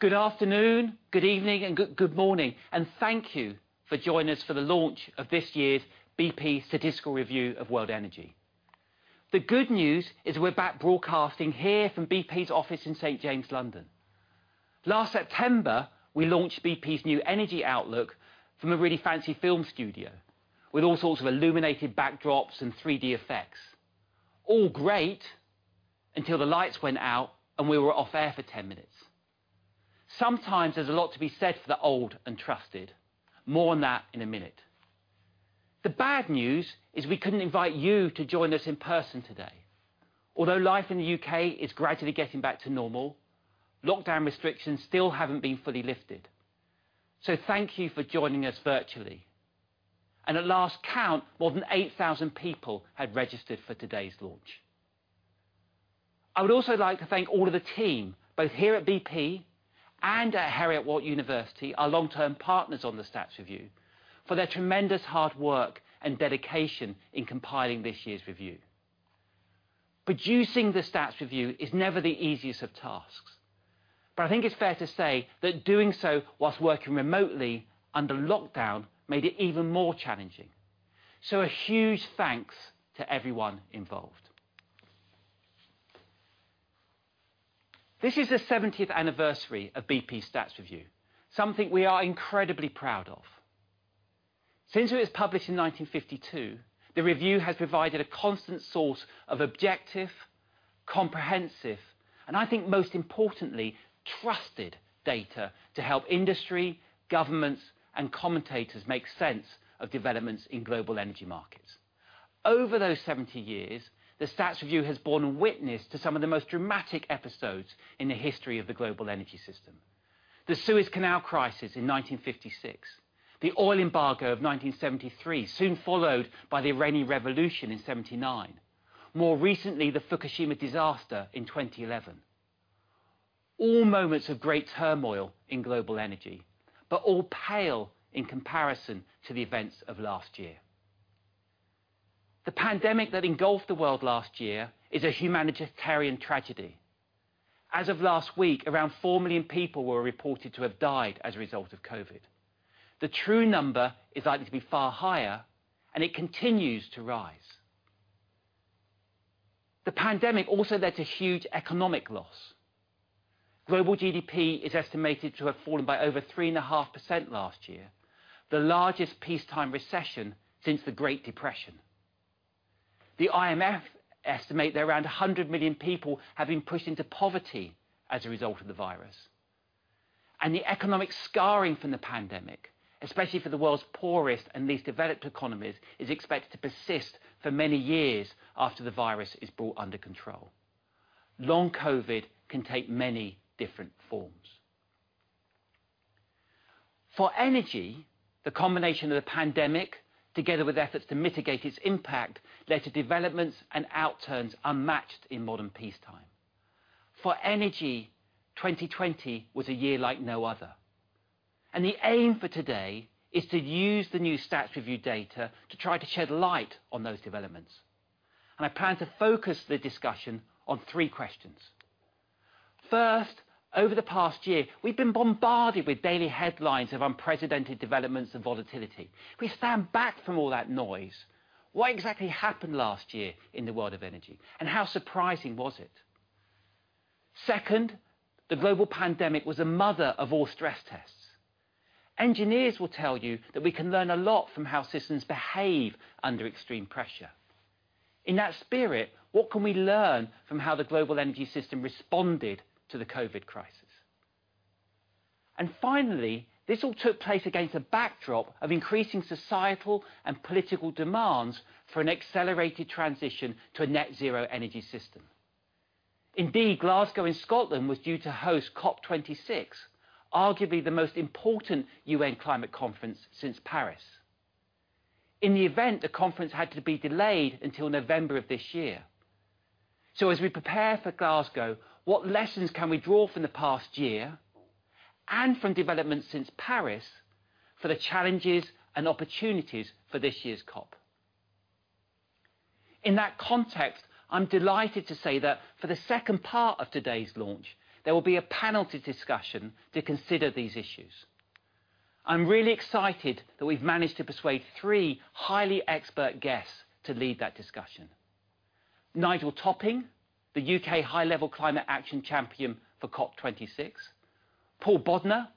Good afternoon, good evening, and good morning. Thank you for joining us for the launch of this year's BP Statistical Review of World Energy. The good news is we're back broadcasting here from BP's office in St. James, London. Last September, we launched BP's Energy Outlook from a really fancy film studio with all sorts of illuminated backdrops and 3D effects. All great, until the lights went out. We were off air for 10 minutes. Sometimes there's a lot to be said for the old and trusted. More on that in a minute. The bad news is we couldn't invite you to join us in person today. Although life in the U.K. is gradually getting back to normal, lockdown restrictions still haven't been fully lifted. Thank you for joining us virtually. At last count, more than 8,000 people had registered for today's launch. I would also like to thank all of the team, both here at BP and at Heriot-Watt University, our long-term partners on the stats review, for their tremendous hard work and dedication in compiling this year's review. Producing the stats review is never the easiest of tasks, but I think it's fair to say that doing so whilst working remotely under lockdown made it even more challenging. A huge thanks to everyone involved. This is the 70th anniversary of BP Stats Review, something we are incredibly proud of. Since it was published in 1952, the review has provided a constant source of objective, comprehensive, and I think most importantly, trusted data to help industry, governments, and commentators make sense of developments in global energy markets. Over those 70 years, the BP Stats Review has borne witness to some of the most dramatic episodes in the history of the global energy system. The Suez Canal crisis in 1956, the oil embargo of 1973, soon followed by the Iranian Revolution in 1979, more recently, the Fukushima disaster in 2011. All moments of great turmoil in global energy, all pale in comparison to the events of last year. The pandemic that engulfed the world last year is a humanitarian tragedy. As of last week, around 4 million people were reported to have died as a result of COVID. The true number is likely to be far higher, it continues to rise. The pandemic also led to huge economic loss. Global GDP is estimated to have fallen by over 3.5% last year, the largest peacetime recession since the Great Depression. The IMF estimate that around 100 million people have been pushed into poverty as a result of the virus, and the economic scarring from the pandemic, especially for the world's poorest and least developed economies, is expected to persist for many years after the virus is brought under control. Long COVID can take many different forms. For energy, the combination of the pandemic together with efforts to mitigate its impact led to developments and outturns unmatched in modern peacetime. For energy, 2020 was a year like no other, and the aim for today is to use the new BP Stats Review data to try to shed light on those developments, and I plan to focus the discussion on three questions. First, over the past year, we've been bombarded with daily headlines of unprecedented developments and volatility. If we stand back from all that noise, what exactly happened last year in the world of energy, and how surprising was it? Second, the global pandemic was a mother of all stress tests. Engineers will tell you that we can learn a lot from how systems behave under extreme pressure. In that spirit, what can we learn from how the global energy system responded to the COVID crisis? Finally, this all took place against a backdrop of increasing societal and political demands for an accelerated transition to a net zero energy system. Indeed, Glasgow in Scotland was due to host COP 26, arguably the most important UN climate conference since Paris. In the event, the conference had to be delayed until November of this year. As we prepare for Glasgow, what lessons can we draw from the past year and from developments since Paris for the challenges and opportunities for this year's COP? In that context, I'm delighted to say that for the second part of today's launch, there will be a panel discussion to consider these issues. I'm really excited that we've managed to persuade three highly expert guests to lead that discussion. Nigel Topping, the UK High-Level Climate Action Champion for COP26, Paul Bodnar,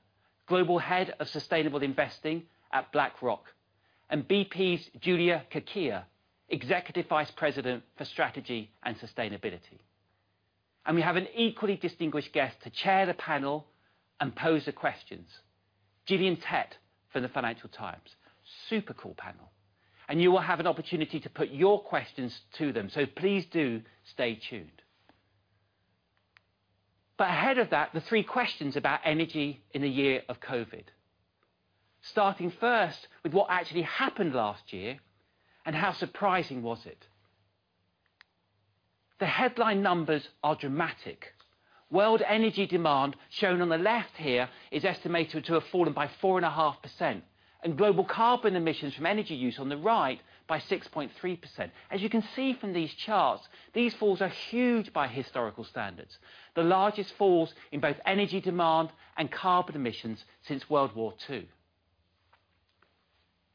Global Head of Sustainable Investing at BlackRock, and BP's Giulia Chierchia, Executive Vice President, Strategy, Sustainability and Ventures. We have an equally distinguished guest to chair the panel and pose the questions, Gillian Tett for the Financial Times. Super cool panel, and you will have an opportunity to put your questions to them, so please do stay tuned. Ahead of that, the three questions about energy in the year of COVID, starting first with what actually happened last year, and how surprising was it? The headline numbers are dramatic. World energy demand, shown on the left here, is estimated to have fallen by 4.5%. Global carbon emissions from energy use on the right by 6.3%. As you can see from these charts, these falls are huge by historical standards, the largest falls in both energy demand and carbon emissions since World War II.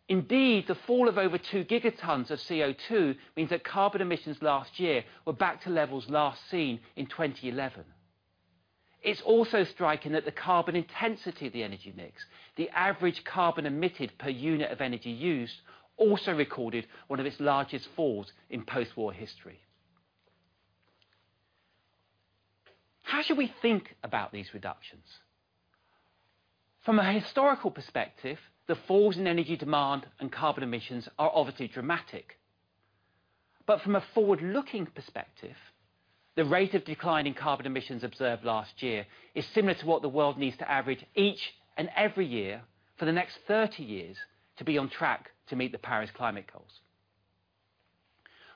Indeed, the fall of over two gigatons of CO2 means that carbon emissions last year were back to levels last seen in 2011. It's also striking that the carbon intensity of the energy mix, the average carbon emitted per unit of energy used, also recorded one of its largest falls in post-war history. How should we think about these reductions? From a historical perspective, the falls in energy demand and carbon emissions are obviously dramatic. From a forward-looking perspective, the rate of decline in carbon emissions observed last year is similar to what the world needs to average each and every year for the next 30 years to be on track to meet the Paris climate goals.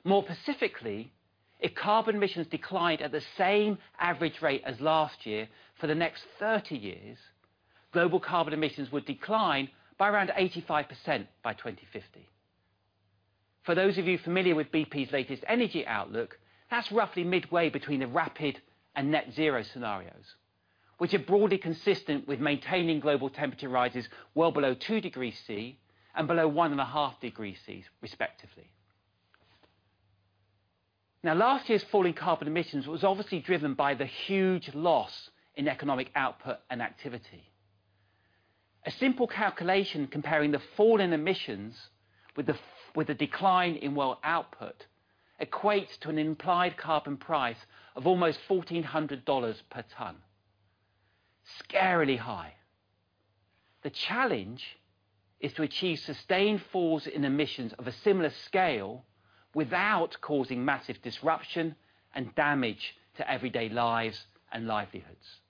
More specifically, if carbon emissions declined at the same average rate as last year for the next 30 years, global carbon emissions would decline by around 85% by 2050. For those of you familiar with BP's Energy Outlook, that's roughly midway between the Rapid and Net Zero Scenarios, which are broadly consistent with maintaining global temperature rises well below 2 degrees Celsius and below 1.5 degrees Celsius respectively. Now, last year's fall in carbon emissions was obviously driven by the huge loss in economic output and activity. A simple calculation comparing the fall in emissions with the decline in world output equates to an implied carbon price of almost $1,400 per ton. Scarily high. The challenge is to achieve sustained falls in emissions of a similar scale without causing massive disruption and damage to everyday lives and livelihoods.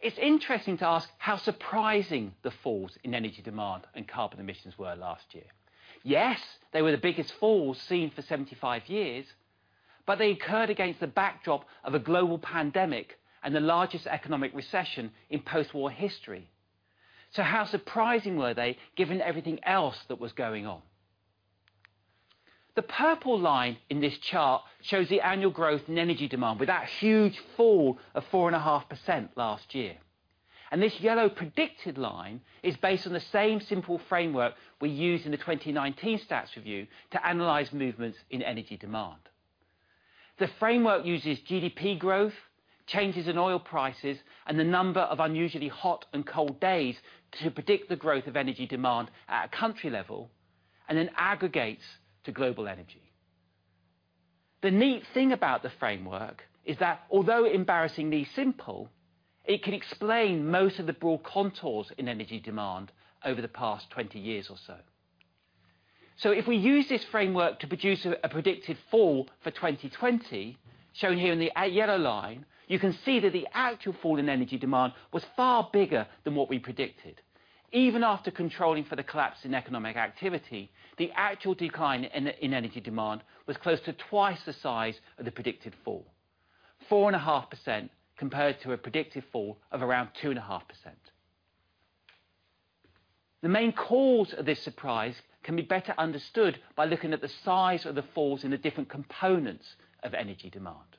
It is interesting to ask how surprising the falls in energy demand and carbon emissions were last year. They were the biggest falls seen for 75 years, but they occurred against the backdrop of a global pandemic and the largest economic recession in post-war history. How surprising were they, given everything else that was going on? The purple line in this chart shows the annual growth in energy demand with that huge fall of 4.5% last year. This yellow predicted line is based on the same simple framework we used in the 2019 Stats Review to analyze movements in energy demand. The framework uses GDP growth, changes in oil prices, and the number of unusually hot and cold days to predict the growth of energy demand at a country level, and then aggregates to global energy. The neat thing about the framework is that although embarrassingly simple, it can explain most of the broad contours in energy demand over the past 20 years or so. If we use this framework to produce a predicted fall for 2020, shown here in the yellow line, you can see that the actual fall in energy demand was far bigger than what we predicted. Even after controlling for the collapse in economic activity, the actual decline in energy demand was close to twice the size of the predicted fall, 4.5% compared to a predicted fall of around 2.5%. The main cause of this surprise can be better understood by looking at the size of the falls in the different components of energy demand.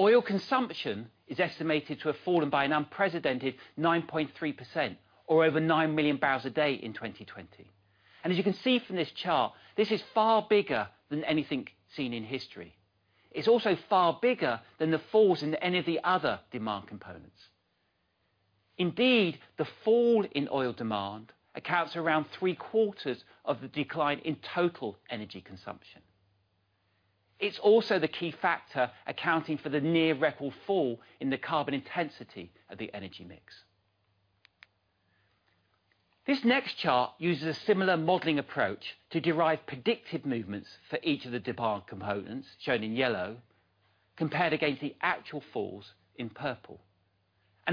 Oil consumption is estimated to have fallen by an unprecedented 9.3%, or over 9 million barrels a day in 2020. As you can see from this chart, this is far bigger than anything seen in history. It's also far bigger than the falls in any of the other demand components. Indeed, the fall in oil demand accounts for around three-quarters of the decline in total energy consumption. It's also the key factor accounting for the near-record fall in the carbon intensity of the energy mix. This next chart uses a similar modeling approach to derive predicted movements for each of the demand components, shown in yellow, compared against the actual falls in purple.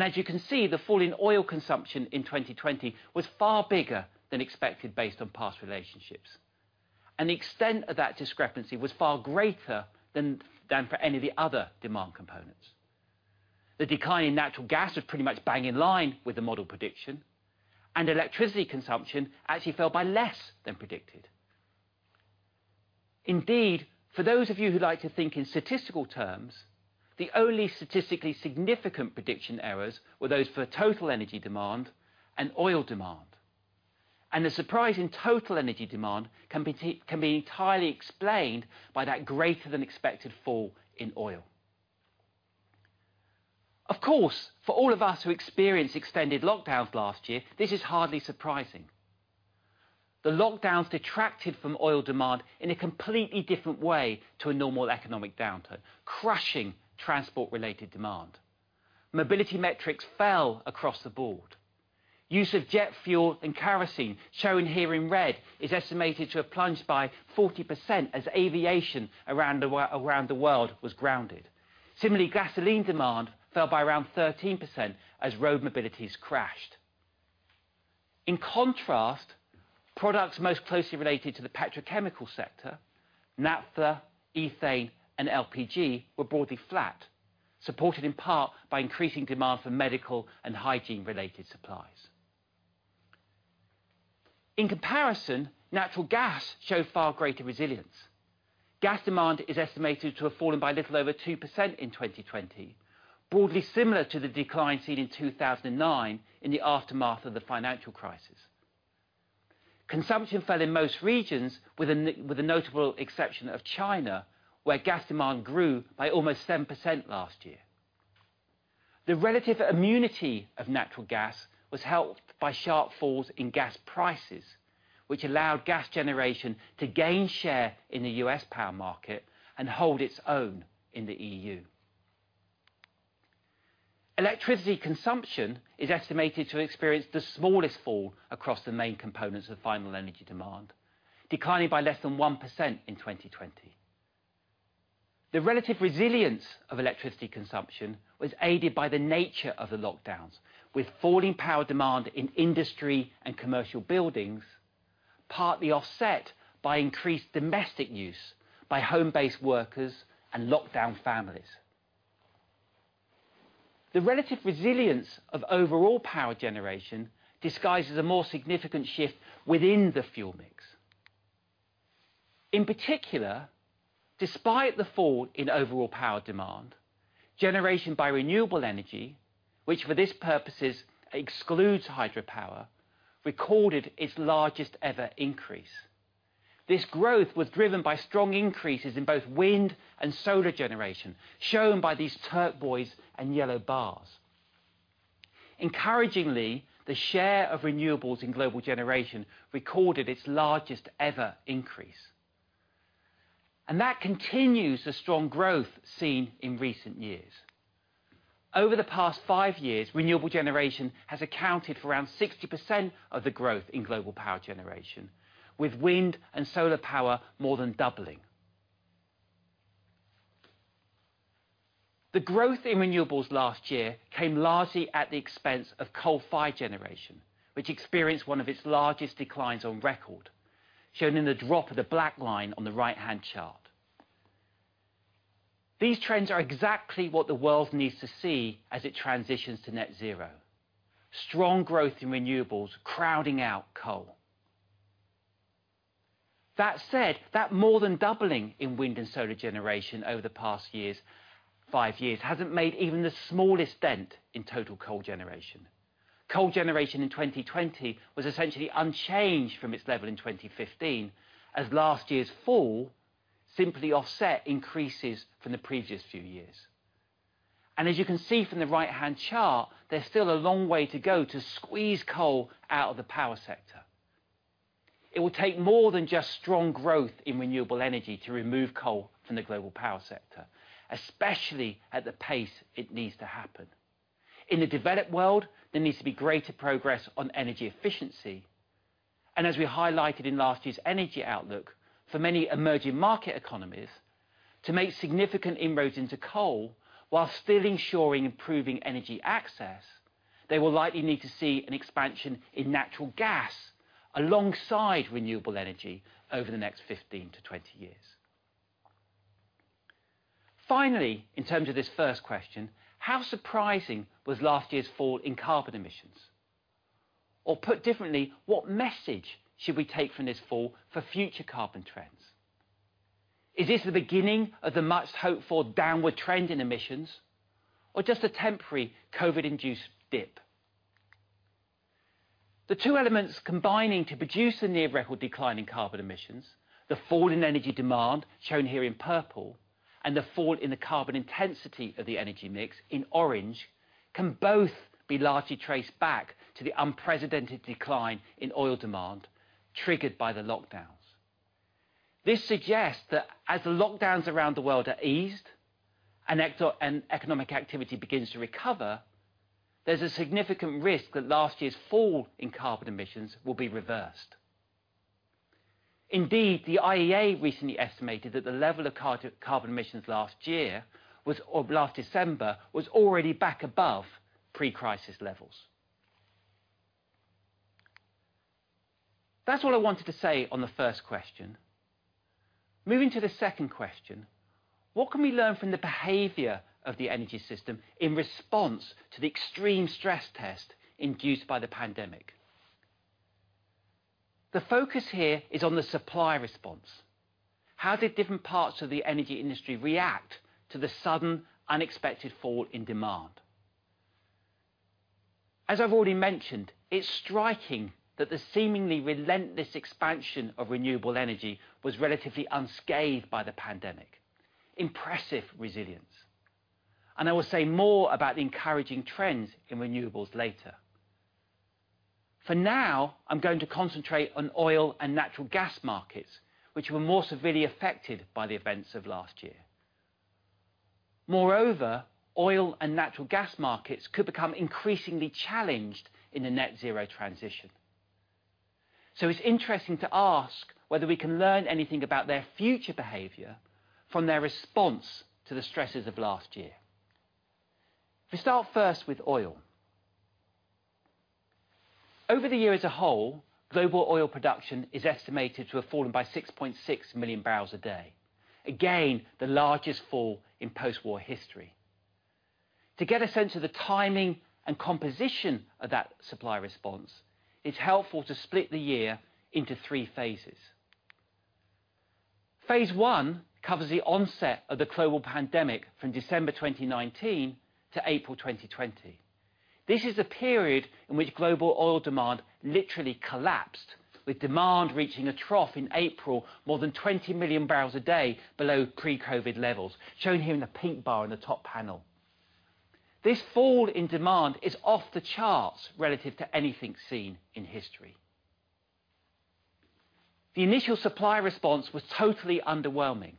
As you can see, the fall in oil consumption in 2020 was far bigger than expected based on past relationships, and the extent of that discrepancy was far greater than for any of the other demand components. The decline in natural gas was pretty much bang in line with the model prediction, and electricity consumption actually fell by less than predicted. Indeed, for those of you who like to think in statistical terms, the only statistically significant prediction errors were those for total energy demand and oil demand, and the surprise in total energy demand can be entirely explained by that greater-than-expected fall in oil. Of course, for all of us who experienced extended lockdowns last year, this is hardly surprising. The lockdowns detracted from oil demand in a completely different way to a normal economic downturn, crushing transport-related demand. Mobility metrics fell across the board. Use of jet fuel and kerosene, shown here in red, is estimated to have plunged by 40% as aviation around the world was grounded. Similarly, gasoline demand fell by around 13% as road mobilities crashed. In contrast, products most closely related to the petrochemical sector, naphtha, ethane, and LPG, were broadly flat, supported in part by increasing demand for medical and hygiene-related supplies. In comparison, natural gas showed far greater resilience. Gas demand is estimated to have fallen by a little over 2% in 2020, broadly similar to the decline seen in 2009 in the aftermath of the financial crisis. Consumption fell in most regions, with the notable exception of China, where gas demand grew by almost 7% last year. The relative immunity of natural gas was helped by sharp falls in gas prices, which allowed gas generation to gain share in the U.S. power market and hold its own in the EU. Electricity consumption is estimated to experience the smallest fall across the main components of final energy demand, declining by less than 1% in 2020. The relative resilience of electricity consumption was aided by the nature of the lockdowns, with falling power demand in industry and commercial buildings, partly offset by increased domestic use by home-based workers and lockdown families. The relative resilience of overall power generation disguises a more significant shift within the fuel mix. In particular, despite the fall in overall power demand, generation by renewable energy, which for this purposes excludes hydropower, recorded its largest ever increase. This growth was driven by strong increases in both wind and solar generation, shown by these turquoise and yellow bars. Encouragingly, the share of renewables in global generation recorded its largest ever increase, and that continues the strong growth seen in recent years. Over the past five years, renewable generation has accounted for around 60% of the growth in global power generation, with wind and solar power more than doubling. The growth in renewables last year came largely at the expense of coal-fired generation, which experienced one of its largest declines on record, shown in the drop of the black line on the right-hand chart. These trends are exactly what the world needs to see as it transitions to net zero. Strong growth in renewables crowding out coal. That said, that more than doubling in wind and solar generation over the past five years hasn't made even the smallest dent in total coal generation. Coal generation in 2020 was essentially unchanged from its level in 2015, as last year's fall simply offset increases from the previous few years. As you can see from the right-hand chart, there's still a long way to go to squeeze coal out of the power sector. It will take more than just strong growth in renewable energy to remove coal from the global power sector, especially at the pace it needs to happen. In the developed world, there needs to be greater progress on energy efficiency. As we highlighted in last year's Energy Outlook, for many emerging market economies to make significant inroads into coal while still ensuring improving energy access, they will likely need to see an expansion in natural gas alongside renewable energy over the next 15-20 years. Finally, in terms of this first question, how surprising was last year's fall in carbon emissions? Or put differently, what message should we take from this fall for future carbon trends? Is this the beginning of the much-hoped-for downward trend in emissions, or just a temporary COVID-induced dip? The two elements combining to produce a near-record decline in carbon emissions, the fall in energy demand, shown here in purple, and the fall in the carbon intensity of the energy mix, in orange, can both be largely traced back to the unprecedented decline in oil demand triggered by the lockdowns. This suggests that as the lockdowns around the world are eased and economic activity begins to recover, there's a significant risk that last year's fall in carbon emissions will be reversed. Indeed, the IEA recently estimated that the level of carbon emissions last December was already back above pre-crisis levels. That's all I wanted to say on the first question. Moving to the second question, what can we learn from the behavior of the energy system in response to the extreme stress test induced by the pandemic? The focus here is on the supply response. How did different parts of the energy industry react to the sudden, unexpected fall in demand? As I've already mentioned, it's striking that the seemingly relentless expansion of renewable energy was relatively unscathed by the pandemic. Impressive resilience. I will say more about the encouraging trends in renewables later. For now, I'm going to concentrate on oil and natural gas markets, which were more severely affected by the events of last year. Moreover, oil and natural gas markets could become increasingly challenged in the net zero transition. It's interesting to ask whether we can learn anything about their future behavior from their response to the stresses of last year. We start first with oil. Over the year as a whole, global oil production is estimated to have fallen by 6.6 million barrels a day. Again, the largest fall in post-war history. To get a sense of the timing and composition of that supply response, it's helpful to split the year into three phases. Phase I covers the onset of the global pandemic from December 2019 to April 2020. This is a period in which global oil demand literally collapsed, with demand reaching a trough in April, more than 20 million barrels a day below pre-COVID levels, shown here in the pink bar on the top panel. This fall in demand is off the charts relative to anything seen in history. The initial supply response was totally underwhelming.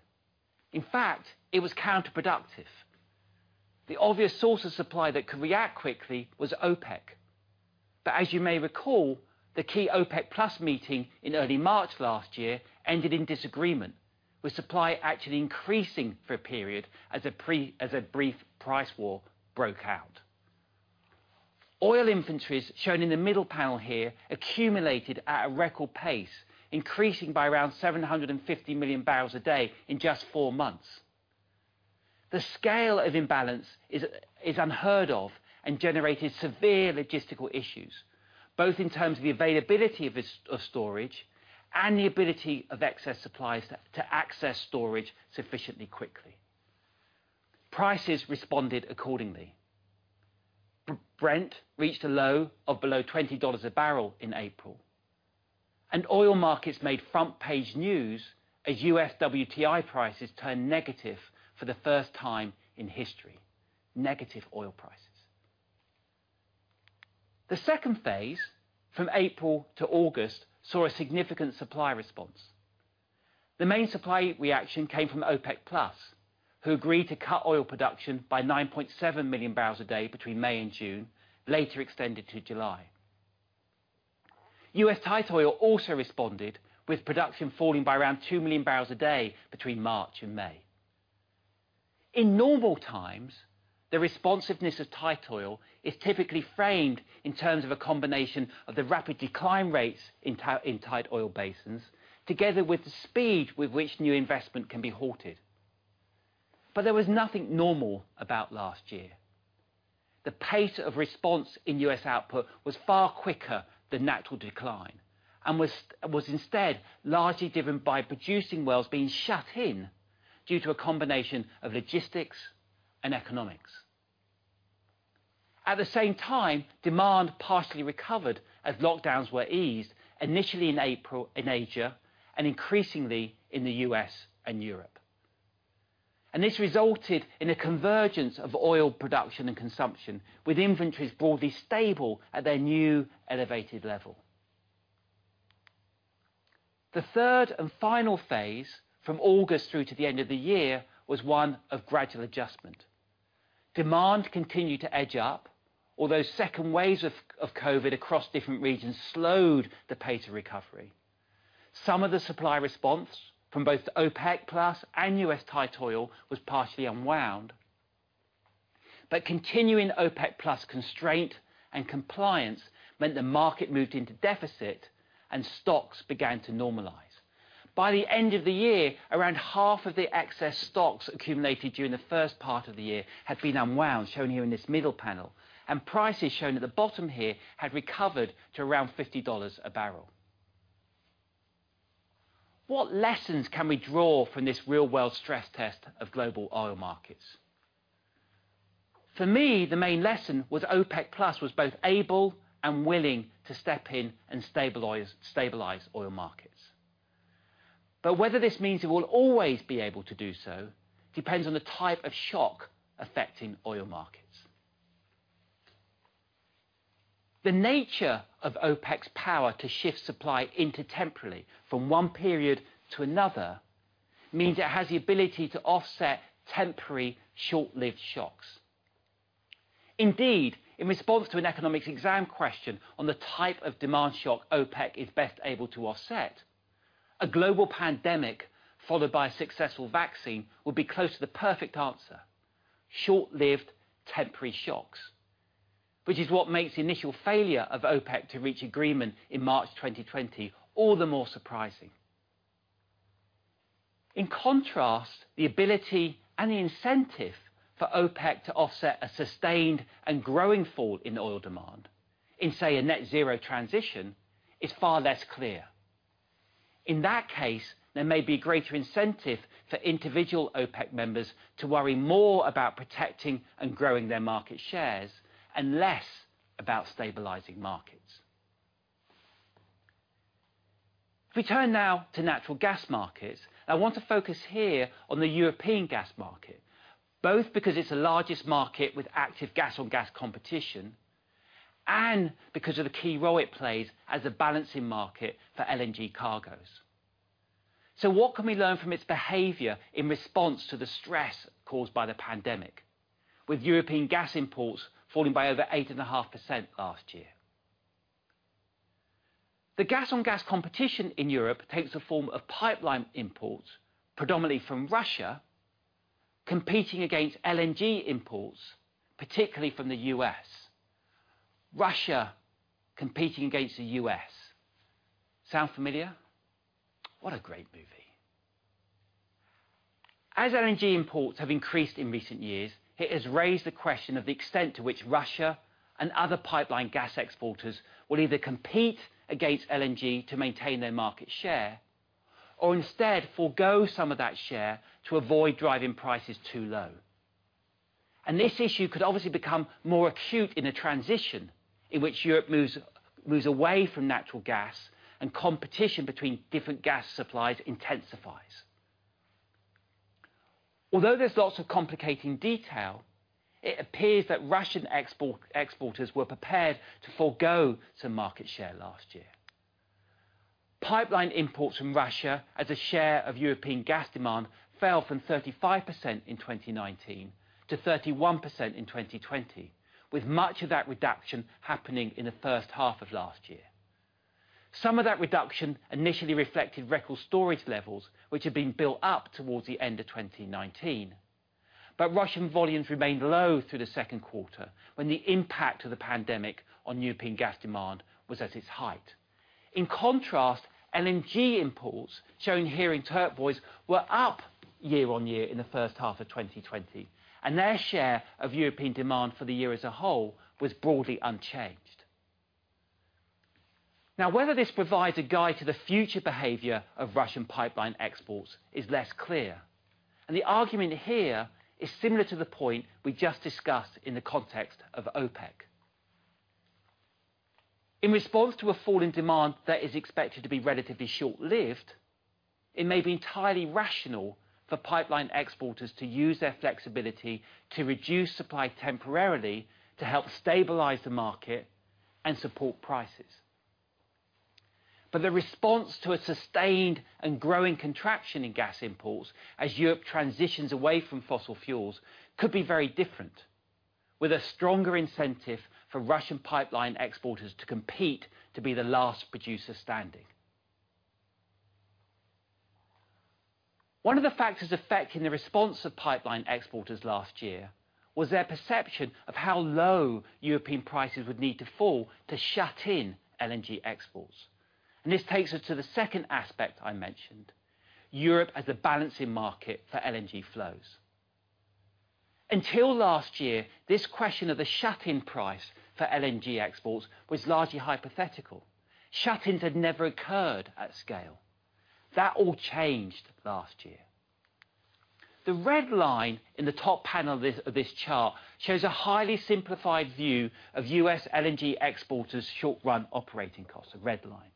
In fact, it was counterproductive. The obvious source of supply that could react quickly was OPEC. As you may recall, the key OPEC+ meeting in early March last year ended in disagreement, with supply actually increasing for a period as a brief price war broke out. Oil inventories shown in the middle panel here accumulated at a record pace, increasing by around 750 million barrels a day in just four months. The scale of imbalance is unheard of and generated severe logistical issues, both in terms of the availability of storage and the ability of excess supplies to access storage sufficiently quickly. Prices responded accordingly. Brent reached a low of below $20 a barrel in April, and oil markets made front-page news as U.S. WTI prices turned negative for the first time in history. Negative oil prices. The second phase, from April to August, saw a significant supply response. The main supply reaction came from OPEC+, who agreed to cut oil production by 9.7 million barrels a day between May and June, later extended to July. U.S. tight oil also responded, with production falling by around 2 million barrels a day between March and May. In normal times, the responsiveness of tight oil is typically framed in terms of a combination of the rapid decline rates in tight oil basins, together with the speed with which new investment can be halted. There was nothing normal about last year. The pace of response in U.S. output was far quicker than natural decline, and was instead largely driven by producing wells being shut in due to a combination of logistics and economics. At the same time, demand partially recovered as lockdowns were eased, initially in April in Asia, and increasingly in the U.S. and Europe. This resulted in a convergence of oil production and consumption, with inventories broadly stable at their new elevated level. The third and final phase, from August through to the end of the year, was one of gradual adjustment. Demand continued to edge up, although second waves of COVID across different regions slowed the pace of recovery. Some of the supply response from both OPEC+ and U.S. tight oil was partially unwound. Continuing OPEC+ constraint and compliance meant the market moved into deficit and stocks began to normalize. By the end of the year, around half of the excess stocks accumulated during the first part of the year had been unwound, shown here in this middle panel, and prices shown at the bottom here had recovered to around $50 a barrel. What lessons can we draw from this real-world stress test of global oil markets? For me, the main lesson was OPEC+ was both able and willing to step in and stabilize oil markets. Whether this means it will always be able to do so depends on the type of shock affecting oil markets. The nature of OPEC's power to shift supply intertemporally from one period to another means it has the ability to offset temporary, short-lived shocks. Indeed, in response to an economics exam question on the type of demand shock OPEC is best able to offset, a global pandemic followed by a successful vaccine would be close to the perfect answer. Short-lived, temporary shocks. Which is what makes the initial failure of OPEC to reach agreement in March 2020 all the more surprising. In contrast, the ability and the incentive for OPEC to offset a sustained and growing fall in oil demand, in say, a net zero transition, is far less clear. In that case, there may be a greater incentive for individual OPEC members to worry more about protecting and growing their market shares and less about stabilizing markets. We turn now to natural gas markets. I want to focus here on the European gas market, both because it's the largest market with active gas-on-gas competition, and because of the key role it plays as a balancing market for LNG cargoes. What can we learn from its behavior in response to the stress caused by the pandemic, with European gas imports falling by over 8.5% last year? The gas-on-gas competition in Europe takes the form of pipeline imports, predominantly from Russia, competing against LNG imports, particularly from the U.S. Russia competing against the U.S. Sound familiar? What a great movie. As LNG imports have increased in recent years, it has raised the question of the extent to which Russia and other pipeline gas exporters will either compete against LNG to maintain their market share, or instead forego some of that share to avoid driving prices too low. This issue could obviously become more acute in a transition in which Europe moves away from natural gas and competition between different gas supplies intensifies. Although there's lots of complicating detail, it appears that Russian exporters were prepared to forego some market share last year. Pipeline imports from Russia as a share of European gas demand fell from 35% in 2019 to 31% in 2020, with much of that reduction happening in the first half of last year. Some of that reduction initially reflected record storage levels, which had been built up towards the end of 2019. Russian volumes remained low through the second quarter, when the impact of the pandemic on European gas demand was at its height. In contrast, LNG imports, shown here in turquoise, were up year-on-year in the first half of 2020, and their share of European demand for the year as a whole was broadly unchanged. Whether this provides a guide to the future behavior of Russian pipeline exports is less clear, and the argument here is similar to the point we just discussed in the context of OPEC. In response to a fall in demand that is expected to be relatively short-lived, it may be entirely rational for pipeline exporters to use their flexibility to reduce supply temporarily to help stabilize the market and support prices. The response to a sustained and growing contraction in gas imports as Europe transitions away from fossil fuels could be very different, with a stronger incentive for Russian pipeline exporters to compete to be the last producer standing. One of the factors affecting the response of pipeline exporters last year was their perception of how low European prices would need to fall to shut in LNG exports. This takes us to the second aspect I mentioned, Europe as a balancing market for LNG flows. Until last year, this question of the shut-in price for LNG exports was largely hypothetical. Shut-ins had never occurred at scale. That all changed last year. The red line in the top panel of this chart shows a highly simplified view of U.S. LNG exporters' short-run operating costs, the red line.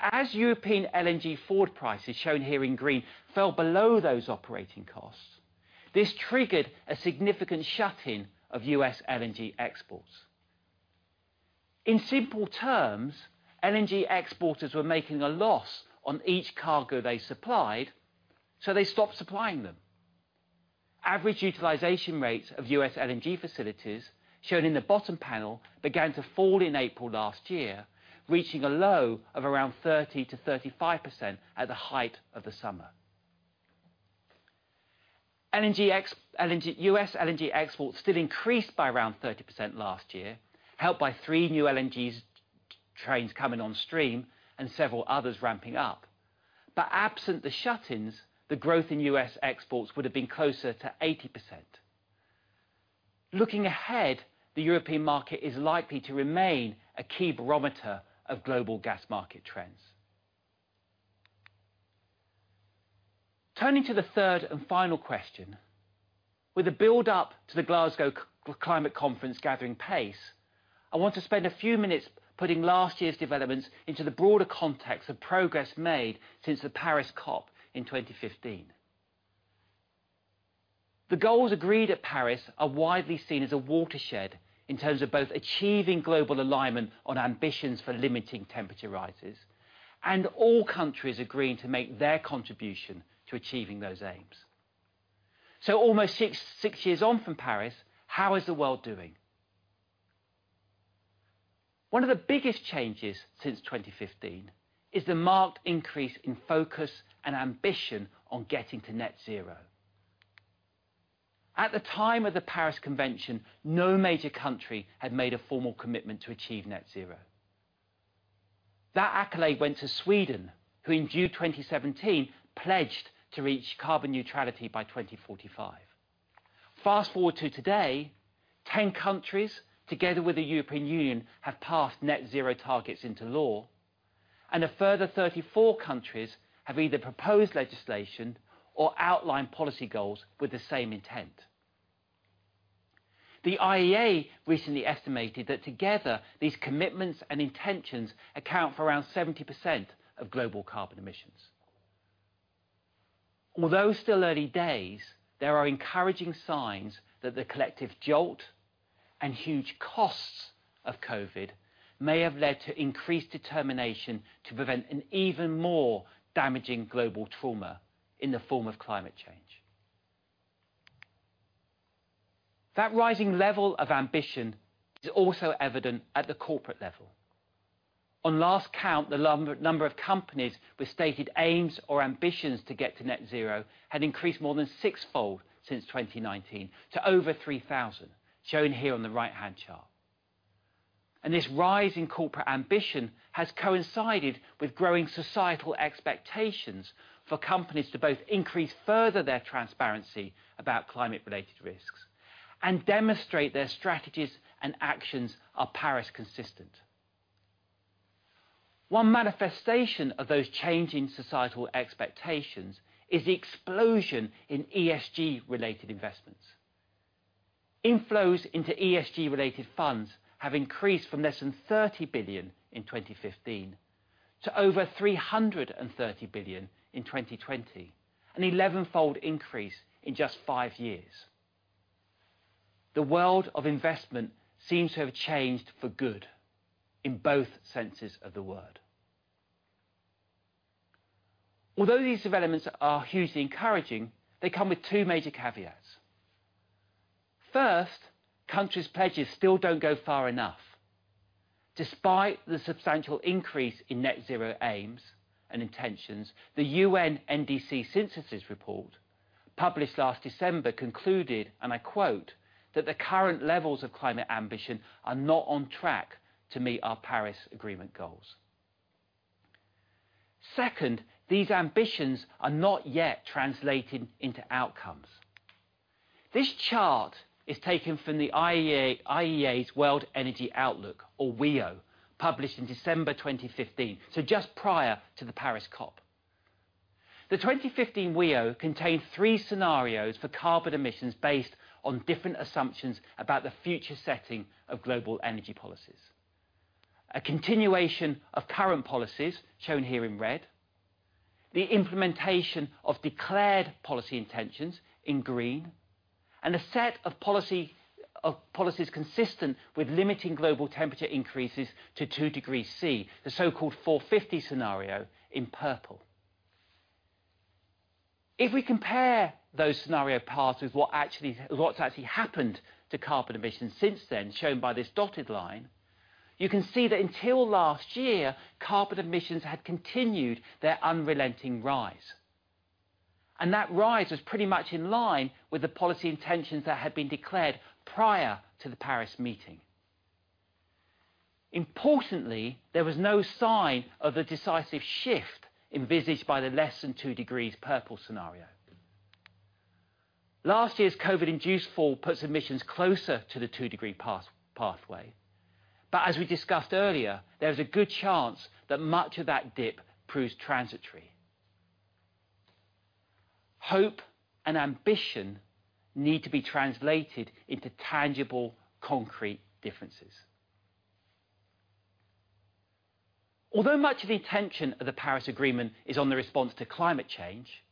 As European LNG forward prices, shown here in green, fell below those operating costs, this triggered a significant shut-in of U.S. LNG exports. In simple terms, LNG exporters were making a loss on each cargo they supplied, so they stopped supplying them. Average utilization rates of U.S. LNG facilities, shown in the bottom panel, began to fall in April last year, reaching a low of around 30%-35% at the height of the summer. U.S. LNG exports still increased by around 30% last year, helped by three new LNG trains coming on stream and several others ramping up. Absent the shut-ins, the growth in U.S. exports would have been closer to 80%. Looking ahead, the European market is likely to remain a key barometer of global gas market trends. Turning to the third and final question, with the build-up to the Glasgow Climate Conference gathering pace, I want to spend a few minutes putting last year's developments into the broader context of progress made since the Paris COP in 2015. The goals agreed at Paris are widely seen as a watershed in terms of both achieving global alignment on ambitions for limiting temperature rises, and all countries agreeing to make their contribution to achieving those aims. Almost six years on from Paris, how is the world doing? One of the biggest changes since 2015 is the marked increase in focus and ambition on getting to net zero. At the time of the Paris Agreement, no major country had made a formal commitment to achieve net zero. That accolade went to Sweden, who in June 2017 pledged to reach carbon neutrality by 2045. Fast-forward to today, 10 countries, together with the European Union, have passed net zero targets into law, and a further 34 countries have either proposed legislation or outlined policy goals with the same intent. The IEA recently estimated that together, these commitments and intentions account for around 70% of global carbon emissions. Although still early days, there are encouraging signs that the collective jolt and huge costs of COVID may have led to increased determination to prevent an even more damaging global trauma in the form of climate change. Rising level of ambition is also evident at the corporate level. On last count, the number of companies with stated aims or ambitions to get to net zero had increased more than sixfold since 2019 to over 3,000, shown here on the right-hand chart. This rise in corporate ambition has coincided with growing societal expectations for companies to both increase further their transparency about climate-related risks and demonstrate their strategies and actions are Paris consistent. One manifestation of those changing societal expectations is the explosion in ESG-related investments. Inflows into ESG-related funds have increased from less than $30 billion in 2015 to over $330 billion in 2020, an elevenfold increase in just five years. The world of investment seems to have changed for good in both senses of the word. Although these developments are hugely encouraging, they come with two major caveats. First, countries' pledges still don't go far enough. Despite the substantial increase in net zero aims and intentions, the UN NDC Synthesis Report, published last December, concluded, and I quote, "That the current levels of climate ambition are not on track to meet our Paris Agreement goals." Second, these ambitions are not yet translated into outcomes. This chart is taken from the IEA's World Energy Outlook, or WEO, published in December 2015, so just prior to the Paris COP. The 2015 WEO contained three scenarios for carbon emissions based on different assumptions about the future setting of global energy policies. A continuation of current policies, shown here in red, the implementation of declared policy intentions in green, and a set of policies consistent with limiting global temperature increases to 2 degrees Celsius, the so-called 450 Scenario, in purple. If we compare those scenario paths with what's actually happened to carbon emissions since then, shown by this dotted line, you can see that until last year, carbon emissions had continued their unrelenting rise. That rise was pretty much in line with the policy intentions that had been declared prior to the Paris COP. Importantly, there was no sign of the decisive shift envisaged by the less than two degrees purple scenario. Last year's COVID induced fall put emissions closer to the two-degree pathway. As we discussed earlier, there's a good chance that much of that dip proves transitory. Hope and ambition need to be translated into tangible, concrete differences. Much of the attention of the Paris Agreement is on the response to climate change,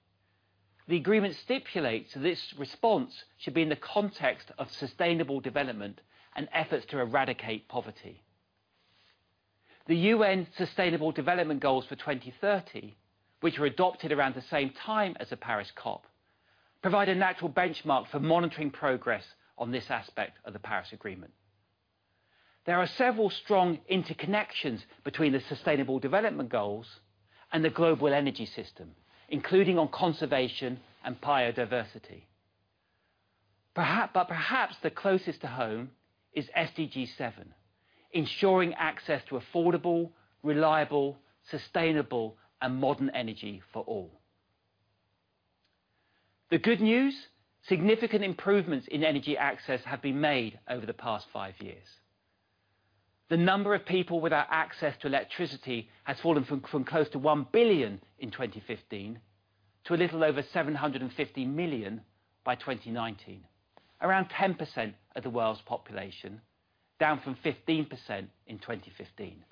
the agreement stipulates that this response should be in the context of sustainable development and efforts to eradicate poverty. The UN Sustainable Development Goals for 2030, which were adopted around the same time as the Paris COP, provide a natural benchmark for monitoring progress on this aspect of the Paris Agreement. There are several strong interconnections between the Sustainable Development Goals and the global energy system, including on conservation and biodiversity. Perhaps the closest to home is SDG 7, ensuring access to affordable, reliable, sustainable and modern energy for all. The good news, significant improvements in energy access have been made over the past five years. The number of people without access to electricity has fallen from close to 1 billion in 2015 to a little over 750 million by 2019. Around 10% of the world's population, down from 15% in 2015.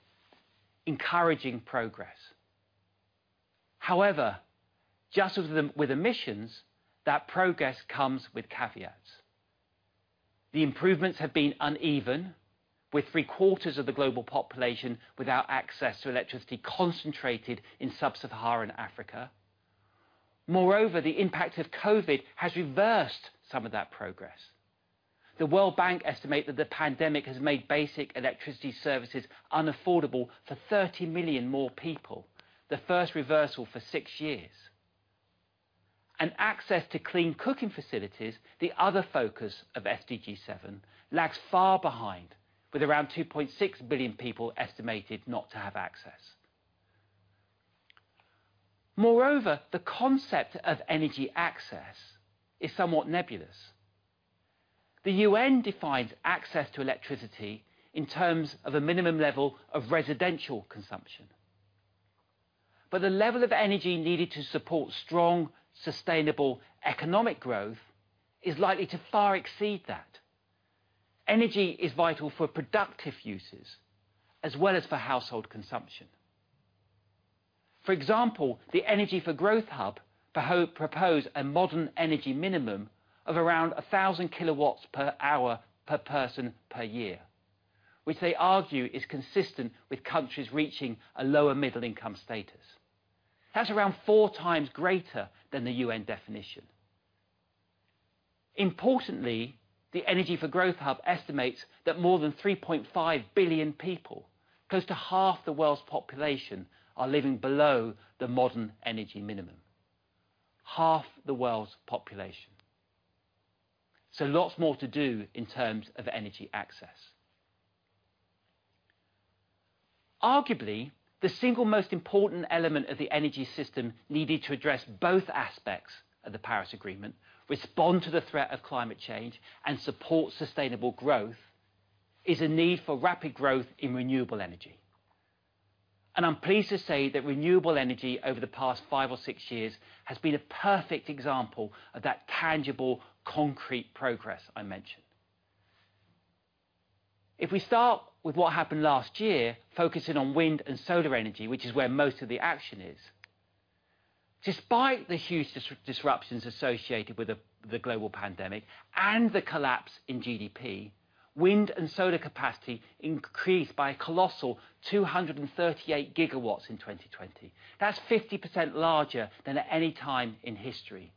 Encouraging progress. However, just as with emissions, that progress comes with caveats. The improvements have been uneven, with three-quarters of the global population without access to electricity concentrated in sub-Saharan Africa. Moreover, the impact of COVID has reversed some of that progress. The World Bank estimate that the pandemic has made basic electricity services unaffordable for 30 million more people, the first reversal for six years. Access to clean cooking facilities, the other focus of SDG 7, lags far behind, with around 2.6 billion people estimated not to have access. Moreover, the concept of energy access is somewhat nebulous. The UN defines access to electricity in terms of a minimum level of residential consumption. The level of energy needed to support strong, sustainable economic growth is likely to far exceed that. Energy is vital for productive uses as well as for household consumption. For example, the Energy for Growth Hub propose a modern energy minimum of around 1,000 kW per hour, per person, per year, which they argue is consistent with countries reaching a lower middle-income status. That's around 4x greater than the UN definition. Importantly, the Energy for Growth Hub estimates that more than 3.5 billion people, close to half the world's population, are living below the modern energy minimum. Half the world's population. Lots more to do in terms of energy access. Arguably, the single most important element of the energy system needed to address both aspects of the Paris Agreement, respond to the threat of climate change, and support sustainable growth, is a need for rapid growth in renewable energy. I'm pleased to say that renewable energy over the past five or six years has been a perfect example of that tangible, concrete progress I mentioned. If we start with what happened last year, focusing on wind and solar energy, which is where most of the action is. Despite the huge disruptions associated with the global pandemic and the collapse in GDP, wind and solar capacity increased by a colossal 238 GW in 2020. That's 50% larger than at any time in history.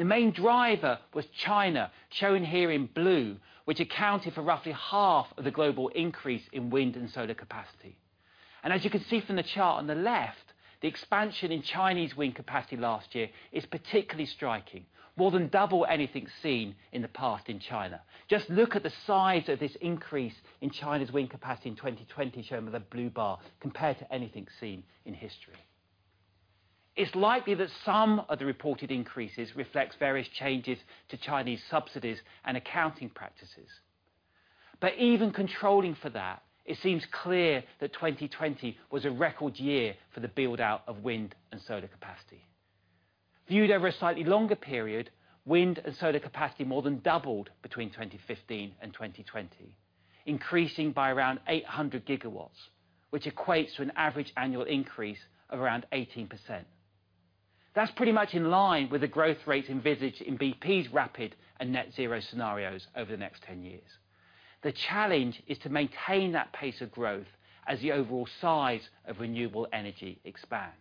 The main driver was China, shown here in blue, which accounted for roughly half of the global increase in wind and solar capacity. As you can see from the chart on the left, the expansion in Chinese wind capacity last year is particularly striking, more than double anything seen in the past in China. Just look at the size of this increase in China's wind capacity in 2020, shown with a blue bar, compared to anything seen in history. It's likely that some of the reported increases reflects various changes to Chinese subsidies and accounting practices. Even controlling for that, it seems clear that 2020 was a record year for the build-out of wind and solar capacity. Viewed over a slightly longer period, wind and solar capacity more than doubled between 2015 and 2020, increasing by around 800 GW, which equates to an average annual increase of around 18%. That's pretty much in line with the growth rate envisaged in BP's Rapid and Net Zero Scenarios over the next 10 years. The challenge is to maintain that pace of growth as the overall size of renewable energy expands.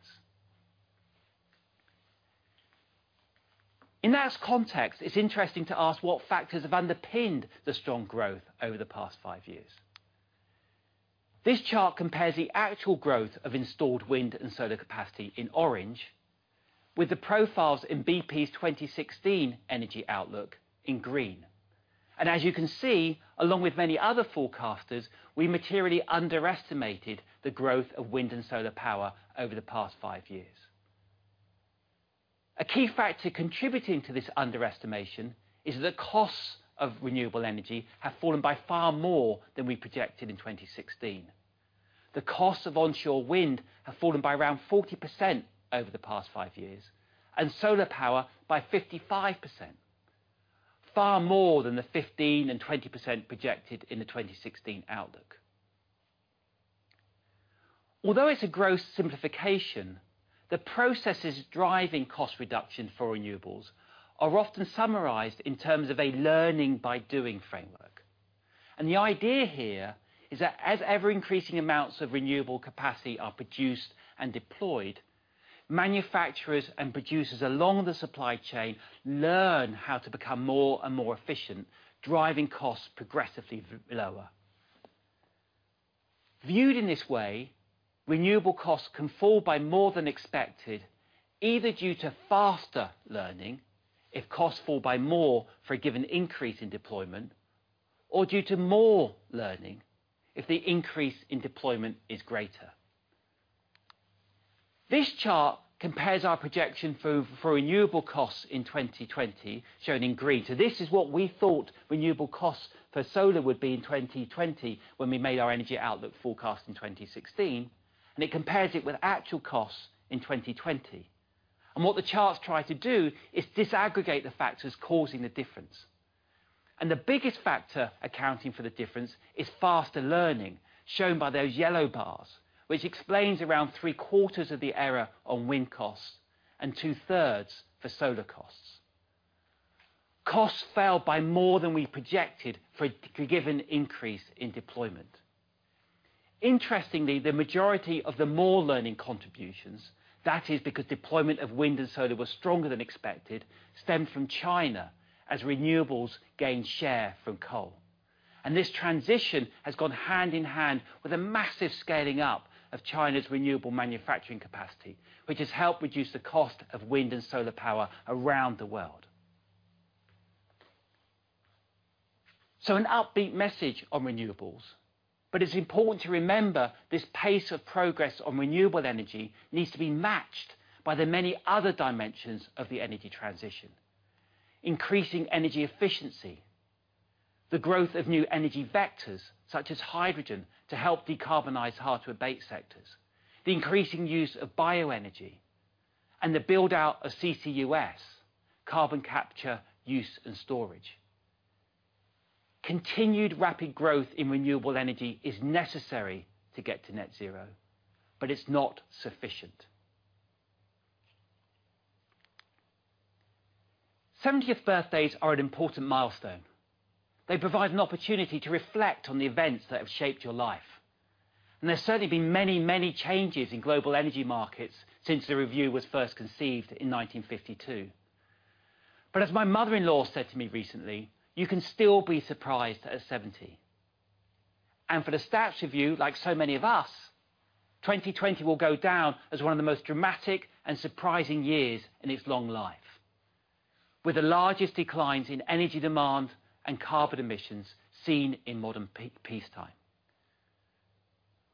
In that context, it's interesting to ask what factors have underpinned the strong growth over the past five years. This chart compares the actual growth of installed wind and solar capacity in orange with the profiles in BP's 2016 Energy Outlook in green. As you can see, along with many other forecasters, we materially underestimated the growth of wind and solar power over the past five years. A key factor contributing to this underestimation is that costs of renewable energy have fallen by far more than we projected in 2016. The costs of onshore wind have fallen by around 40% over the past five years, and solar power by 55%, far more than the 15% and 20% projected in the 2016 outlook. Although it's a gross simplification, the processes driving cost reduction for renewables are often summarized in terms of a learning by doing framework. The idea here is that as ever-increasing amounts of renewable capacity are produced and deployed, manufacturers and producers along the supply chain learn how to become more and more efficient, driving costs progressively lower. Viewed in this way, renewable costs can fall by more than expected, either due to faster learning, if costs fall by more for a given increase in deployment, or due to more learning, if the increase in deployment is greater. This chart compares our projection for renewable costs in 2020, shown in green, so this is what we thought renewable costs for solar would be in 2020 when we made our Energy Outlook forecast in 2016, and it compares it with actual costs in 2020. What the charts try to do is disaggregate the factors causing the difference. The biggest factor accounting for the difference is faster learning, shown by those yellow bars, which explains around three-quarters of the error on wind costs and two-thirds for solar costs. Costs fell by more than we projected for a given increase in deployment. Interestingly, the majority of the more learning contributions, that is because deployment of wind and solar was stronger than expected, stemmed from China as renewables gained share from coal. This transition has gone hand in hand with a massive scaling up of China's renewable manufacturing capacity, which has helped reduce the cost of wind and solar power around the world. An upbeat message on renewables, but it's important to remember this pace of progress on renewable energy needs to be matched by the many other dimensions of the energy transition. Increasing energy efficiency, the growth of new energy vectors, such as hydrogen, to help decarbonize hard-to-abate sectors, the increasing use of bioenergy, and the build-out of CCUS, Carbon Capture, Use, and Storage. Continued rapid growth in renewable energy is necessary to get to net zero, it's not sufficient. 70th birthdays are an important milestone. They provide an opportunity to reflect on the events that have shaped your life. There's certainly been many changes in global energy markets since the review was first conceived in 1952. As my mother-in-law said to me recently, "You can still be surprised at 70." For the BP Stats Review, like so many of us, 2020 will go down as one of the most dramatic and surprising years in its long life, with the largest declines in energy demand and carbon emissions seen in modern peacetime.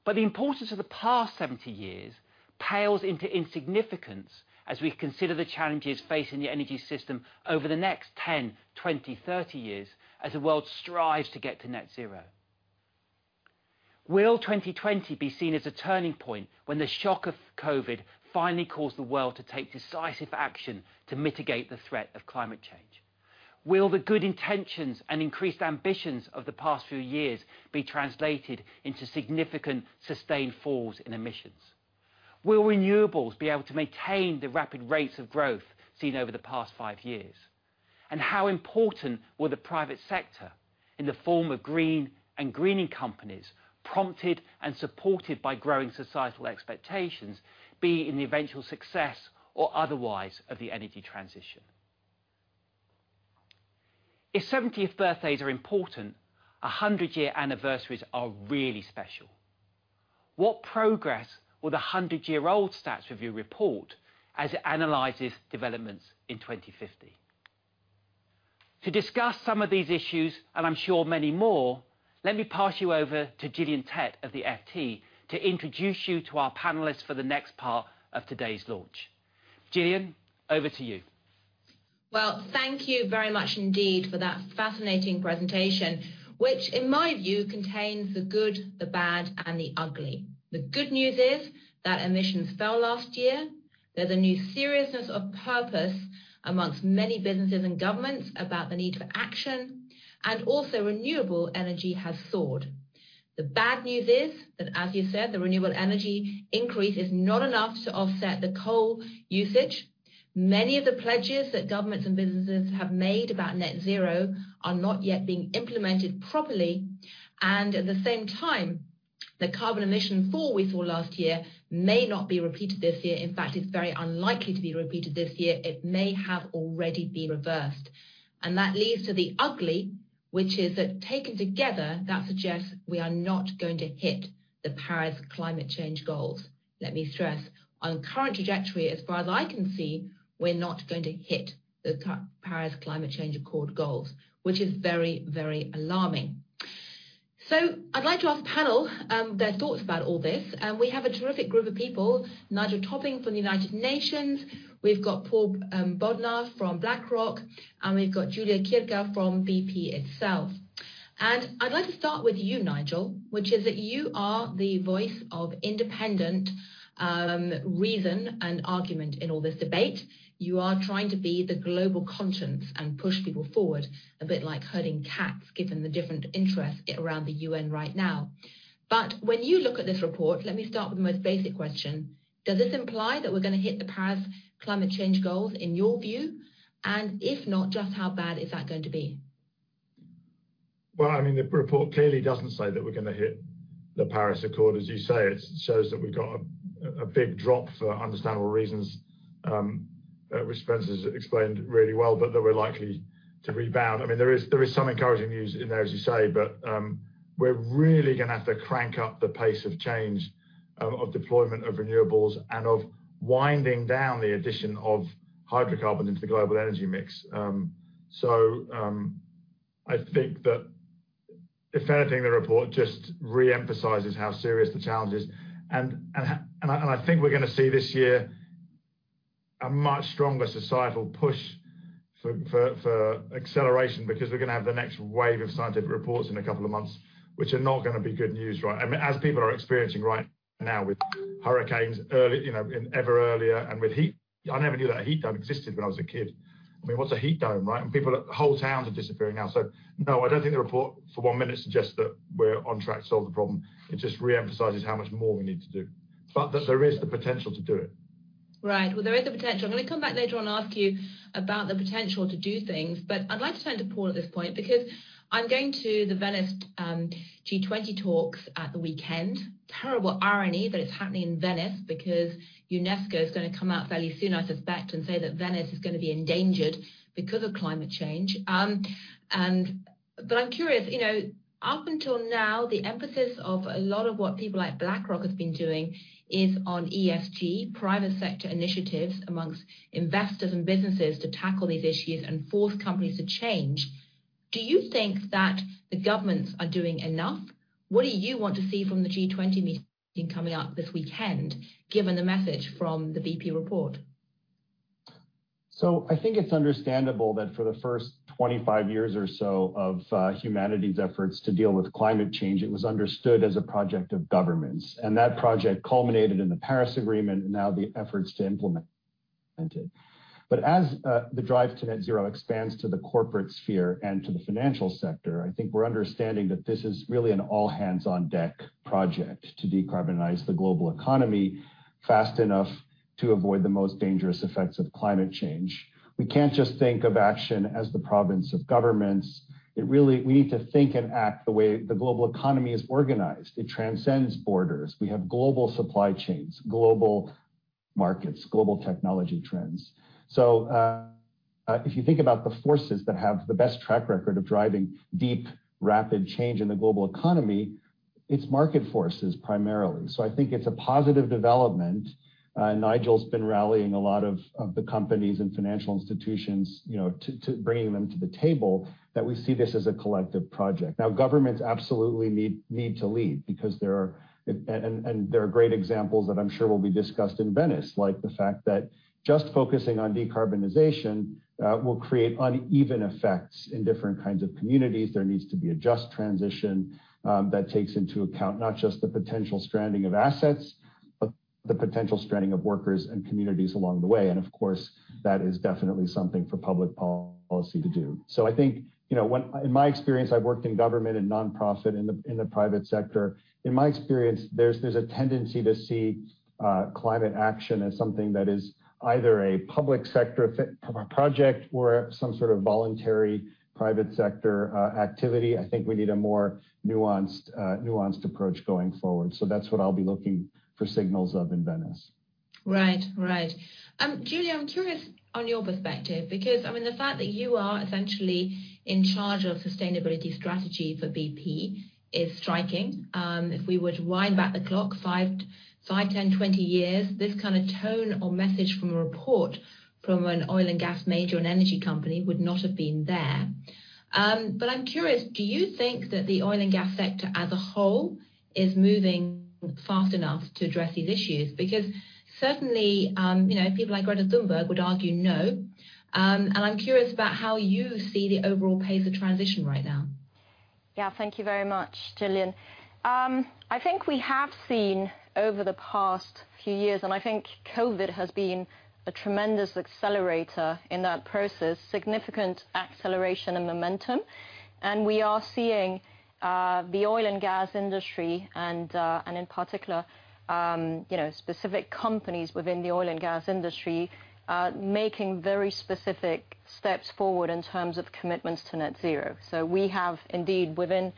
The importance of the past 70 years pales into insignificance as we consider the challenges facing the energy system over the next 10, 20, 30 years as the world strives to get to net zero. Will 2020 be seen as a turning point when the shock of COVID finally caused the world to take decisive action to mitigate the threat of climate change? Will the good intentions and increased ambitions of the past few years be translated into significant, sustained falls in emissions? Will renewables be able to maintain the rapid rates of growth seen over the past five years? How important will the private sector in the form of green and greening companies, prompted and supported by growing societal expectations, be in the eventual success or otherwise of the energy transition? If 70th birthdays are important, 100-year anniversaries are really special. What progress will the 100-year-old Stats Review report as it analyzes developments in 2050? To discuss some of these issues, and I'm sure many more, let me pass you over to Gillian Tett of the FT to introduce you to our panelists for the next part of today's launch. Gillian, over to you. Well, thank you very much indeed for that fascinating presentation, which in my view contains the good, the bad, and the ugly. The good news is that emissions fell last year. There's a new seriousness of purpose amongst many businesses and governments about the need for action. Also, renewable energy has soared. The bad news is that, as you said, the renewable energy increase is not enough to offset the coal usage. Many of the pledges that governments and businesses have made about net zero are not yet being implemented properly. At the same time, the carbon emission fall we saw last year may not be repeated this year. In fact, it's very unlikely to be repeated this year. It may have already been reversed. That leaves the ugly, which is that taken together, that suggests we are not going to hit the Paris climate change goals. Let me stress, on current trajectory, as far as I can see, we're not going to hit the Paris Agreement goals, which is very, very alarming. I'd like to ask the panel their thoughts about all this. We have a terrific group of people, Nigel Topping from the UN, we've got Paul Bodnar from BlackRock, and we've got Giulia Chierchia from BP itself. I'd like to start with you, Nigel, which is that you are the voice of independent reason and argument in all this debate. You are trying to be the global conscience and push people forward a bit like herding cats, given the different interests around the UN right now. When you look at this report, let me start with the most basic question. Does this imply that we're going to hit the Paris Agreement goals in your view? If not, just how bad is that going to be? Well, I mean, the report clearly doesn't say that we're going to hit the Paris Agreement, as you say. It says that we've got a big drop for understandable reasons, which Spencer explained really well, but that we're likely to rebound. I mean, there is some encouraging news in there, as you say, but we're really going to have to crank up the pace of change of deployment of renewables and of winding down the addition of hydrocarbons into global energy mix. I think that, if anything, the report just re-emphasizes how serious the challenge is. I think we're going to see this year a much stronger societal push for acceleration because we're going to have the next wave of scientific reports in a couple of months, which are not going to be good news, right? I mean, as people are experiencing right now with hurricanes ever earlier and with heat. I never knew that heat dome existed when I was a kid. I mean, what's a heat dome, right? Whole towns are disappearing now. No, I don't think the report for one minute suggests that we're on track to solve the problem. It just re-emphasizes how much more we need to do. There is the potential to do it. Right. Well, there is the potential. I'm going to come back later on and ask you about the potential to do things. I'd like to make a pause at this point because I'm going to the Venice G20 talks at the weekend. Terrible irony that it's happening in Venice because UNESCO is going to come out fairly soon, I suspect, and say that Venice is going to be endangered because of climate change. I'm curious, up until now, the emphasis of a lot of what people like BlackRock have been doing is on ESG, private sector initiatives amongst investors and businesses to tackle these issues and force companies to change. Do you think that the governments are doing enough? What do you want to see from the G20 meeting coming up this weekend, given the message from the BP report? I think it's understandable that for the first 25 years or so of humanity's efforts to deal with climate change, it was understood as a project of governments. That project culminated in the Paris Agreement and now the efforts to implement it. As the drive to net zero expands to the corporate sphere and to the financial sector, I think we're understanding that this is really an all hands on deck project to decarbonize the global economy fast enough to avoid the most dangerous effects of climate change. We can't just think of action as the province of governments. We need to think and act the way the global economy is organized. It transcends borders. We have global supply chains, global markets, global technology trends. If you think about the forces that have the best track record of driving deep, rapid change in the global economy, it's market forces primarily. I think it's a positive development. Nigel's been rallying a lot of the companies and financial institutions, bringing them to the table that we see this as a collective project. Governments absolutely need to lead, and there are great examples that I'm sure will be discussed in Venice, like the fact that just focusing on decarbonization will create uneven effects in different kinds of communities. There needs to be a just transition that takes into account not just the potential stranding of assets, but the potential stranding of workers and communities along the way. Of course, that is definitely something for public policy to do. In my experience, I've worked in government and non-profit in the private sector. In my experience, there's a tendency to see climate action as something that is either a public sector project or some sort of voluntary private sector activity. I think we need a more nuanced approach going forward. That's what I'll be looking for signals of in Venice. Right. Giulia, I'm curious on your perspective because, the fact that you are essentially in charge of sustainability strategy for BP is striking. If we were to wind back the clock 5, 10, 20 years, this kind of tone or message from a report from an oil and gas major and energy company would not have been there. I'm curious, do you think that the oil and gas sector as a whole is moving fast enough to address these issues? Certainly, people like Greta Thunberg would argue no. I'm curious about how you see the overall pace of transition right now. Yeah. Thank you very much, Gillian. I think we have seen over the past few years, and I think COVID has been a tremendous accelerator in that process, significant acceleration and momentum. We are seeing the oil and gas industry and, in particular, specific companies within the oil and gas industry, making very specific steps forward in terms of commitments to net zero. We have indeed within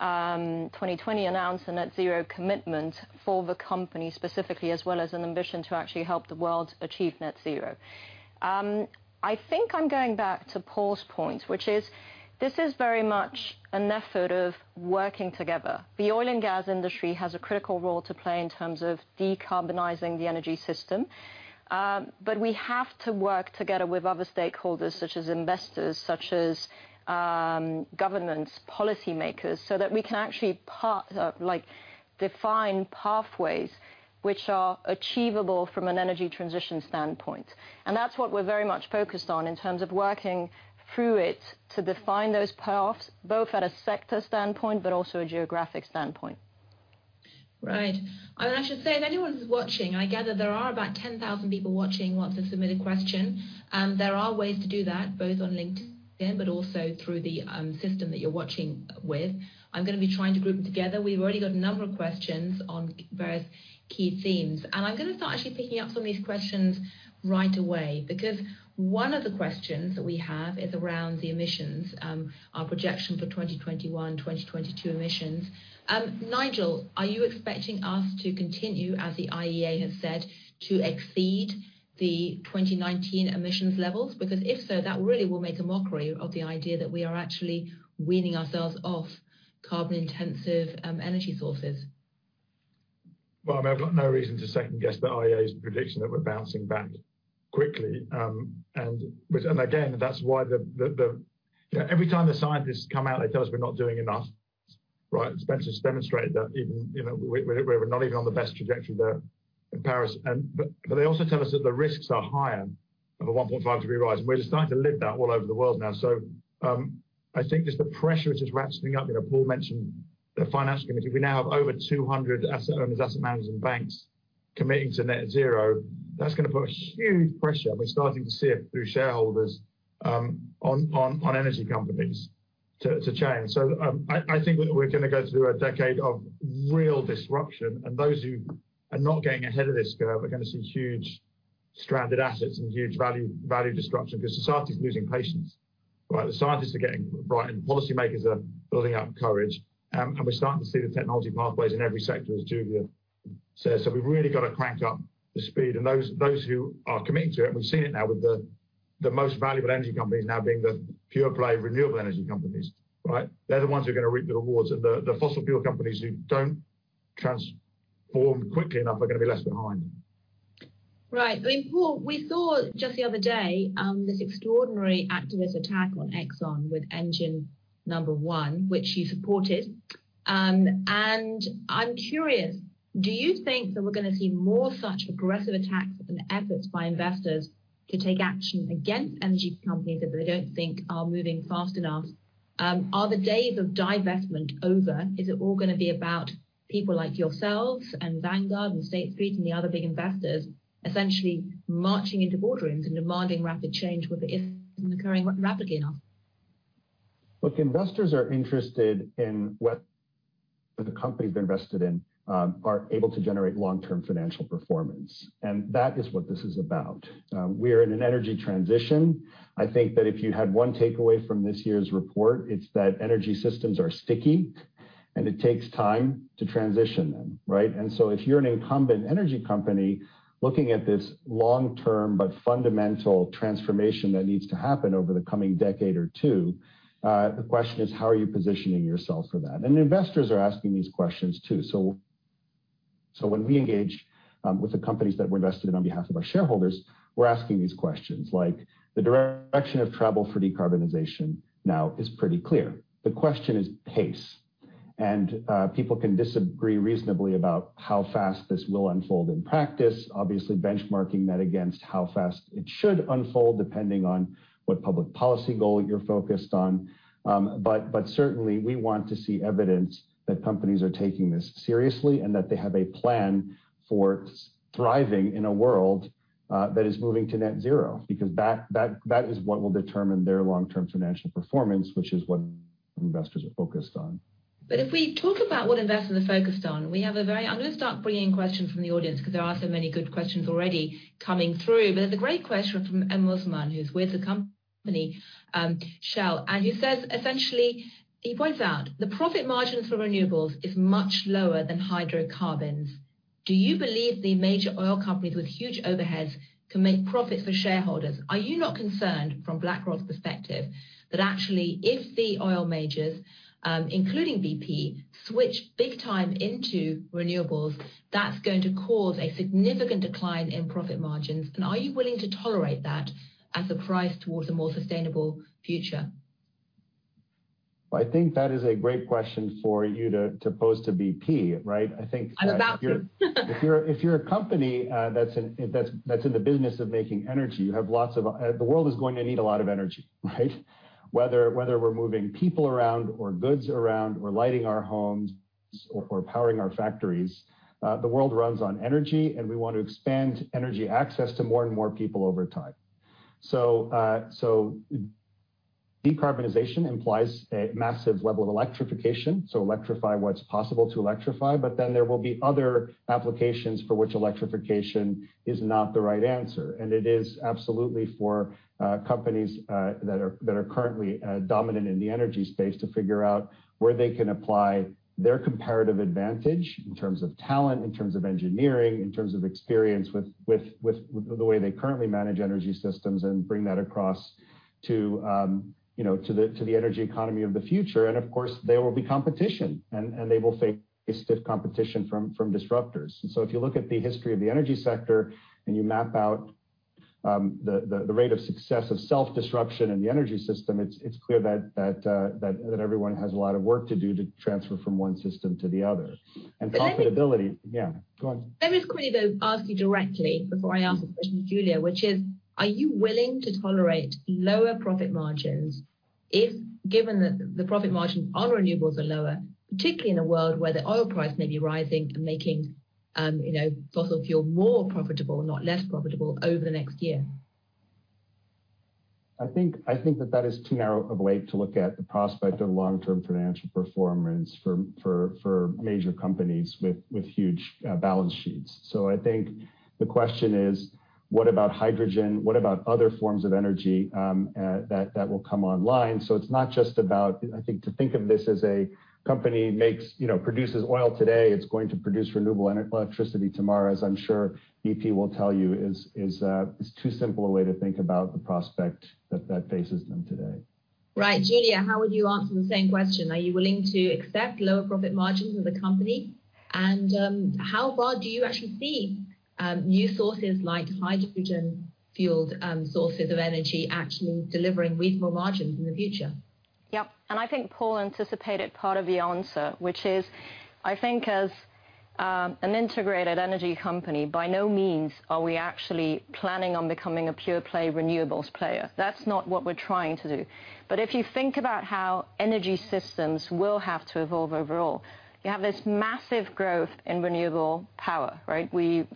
2020 announced a net zero commitment for the company specifically, as well as an ambition to actually help the world achieve net zero. I think I'm going back to Paul's point, which is this is very much an effort of working together. The oil and gas industry has a critical role to play in terms of decarbonizing the energy system. We have to work together with other stakeholders such as investors, such as governments, policymakers, so that we can actually define pathways which are achievable from an energy transition standpoint. That's what we're very much focused on in terms of working through it to define those paths, both at a sector standpoint, but also a geographic standpoint. Right. I should say if anyone's watching, I gather there are about 10,000 people watching who want to submit a question. There are ways to do that, both on LinkedIn, also through the system that you're watching with. I'm going to be trying to group them together. We've already got a number of questions on various key themes, I'm going to start actually picking up some of these questions right away because one of the questions that we have is around the emissions, our projection for 2021, 2022 emissions. Nigel, are you expecting us to continue, as the IEA has said, to exceed the 2019 emissions levels? If so, that really will make a mockery of the idea that we are actually weaning ourselves off carbon-intensive energy sources. Well, I mean, I've got no reason to second guess the IEA's prediction that we're bouncing back quickly. Again, every time the scientists come out, they tell us we're not doing enough, right? Spencer's demonstrated that even we're not even on the best trajectory there in Paris. They also tell us that the risks are higher of a 1.5 degree rise, and we're starting to live that all over the world now. I think just the pressure is ratcheting up. Paul mentioned the financial community. We now have over 200 asset owners, asset managers, and banks committing to net zero. That's going to put a huge pressure, and we're starting to see it through shareholders, on energy companies to change. I think we're going to go through a decade of real disruption, and those who are not getting ahead of this curve are going to see huge stranded assets and huge value destruction because society's losing patience, right? The scientists are getting bright, and policymakers are building up courage, and we're starting to see the technology pathways in every sector, as Giulia says. We've really got to crank up the speed. Those who are committing to it, and we've seen it now with the most valuable energy companies now being the pure-play renewable energy companies, right? They're the ones who are going to reap the rewards, and the fossil fuel companies who don't transform quickly enough are going to be left behind. Right. I mean, Paul, we saw just the other day, this extraordinary activist attack on Exxon with Engine No. 1, which you supported. I'm curious, do you think that we're going to see more such aggressive attacks and efforts by investors to take action against energy companies that they don't think are moving fast enough? Are the days of divestment over? Is it all going to be about people like yourselves and Vanguard and State Street and the other big investors essentially marching into boardrooms and demanding rapid change where it isn't occurring rapidly enough? Look, investors are interested in whether the companies they've invested in are able to generate long-term financial performance. That is what this is about. We're in an energy transition. I think that if you had one takeaway from this year's report, it's that energy systems are sticky and it takes time to transition them. Right? If you're an incumbent energy company looking at this long-term but fundamental transformation that needs to happen over the coming decade or two, the question is, how are you positioning yourself for that? Investors are asking these questions too. When we engage with the companies that we're invested in on behalf of our shareholders, we're asking these questions. Like, the direction of travel for decarbonization now is pretty clear. The question is pace. People can disagree reasonably about how fast this will unfold in practice, obviously benchmarking that against how fast it should unfold, depending on what public policy goal you're focused on. Certainly, we want to see evidence that companies are taking this seriously and that they have a plan for thriving in a world that is moving to net zero, because that is what will determine their long-term financial performance, which is what investors are focused on. If we talk about what investors are focused on, I'm going to start bringing in questions from the audience because there are so many good questions already coming through. There's a great question from M. Osman, who's with the company, Shell, and he says, essentially, he points out, the profit margins for renewables is much lower than hydrocarbons. Do you believe the major oil companies with huge overheads can make profits for shareholders? Are you not concerned from BlackRock's perspective that actually if the oil majors, including BP, switch big time into renewables, that's going to cause a significant decline in profit margins? Are you willing to tolerate that as a price towards a more sustainable future? Well, I think that is a great question for you to pose to BP, right? I'm about to. If you're a company that's in the business of making energy, the world is going to need a lot of energy, right? Whether we're moving people around or goods around or lighting our homes or powering our factories, the world runs on energy, and we want to expand energy access to more and more people over time. Decarbonization implies a massive level of electrification, so electrify what's possible to electrify. There will be other applications for which electrification is not the right answer. It is absolutely for companies that are currently dominant in the energy space to figure out where they can apply their comparative advantage in terms of talent, in terms of engineering, in terms of experience with the way they currently manage energy systems and bring that across to the energy economy of the future. Of course, there will be competition and they will face stiff competition from disruptors. If you look at the history of the energy sector and you map out the rate of success of self-disruption in the energy system, it's clear that everyone has a lot of work to do to transfer from one system to the other. Profitability- Can I just- Yeah, go on. Let me just quickly though ask you directly before I ask the question to Giulia, which is, are you willing to tolerate lower profit margins if given that the profit margin on renewables are lower, particularly in a world where the oil price may be rising and making fossil fuel more profitable, not less profitable over the next year? I think that that is too narrow of a way to look at the prospect of long-term financial performance for major companies with huge balance sheets. I think the question is, what about hydrogen? What about other forms of energy that will come online? It's not just about, I think to think of this as a company produces oil today, it's going to produce renewable electricity tomorrow, as I'm sure BP will tell you is too simple a way to think about the prospect that faces them today. Right. Giulia, how would you answer the same question? Are you willing to accept lower profit margins as a company? How far do you actually see new sources like hydrogen-fueled sources of energy actually delivering reasonable margins in the future? Yep. I think Paul anticipated part of the answer, which is, I think as an integrated energy company, by no means are we actually planning on becoming a pure-play renewables player. That's not what we're trying to do. If you think about how energy systems will have to evolve overall, you have this massive growth in renewable power, right?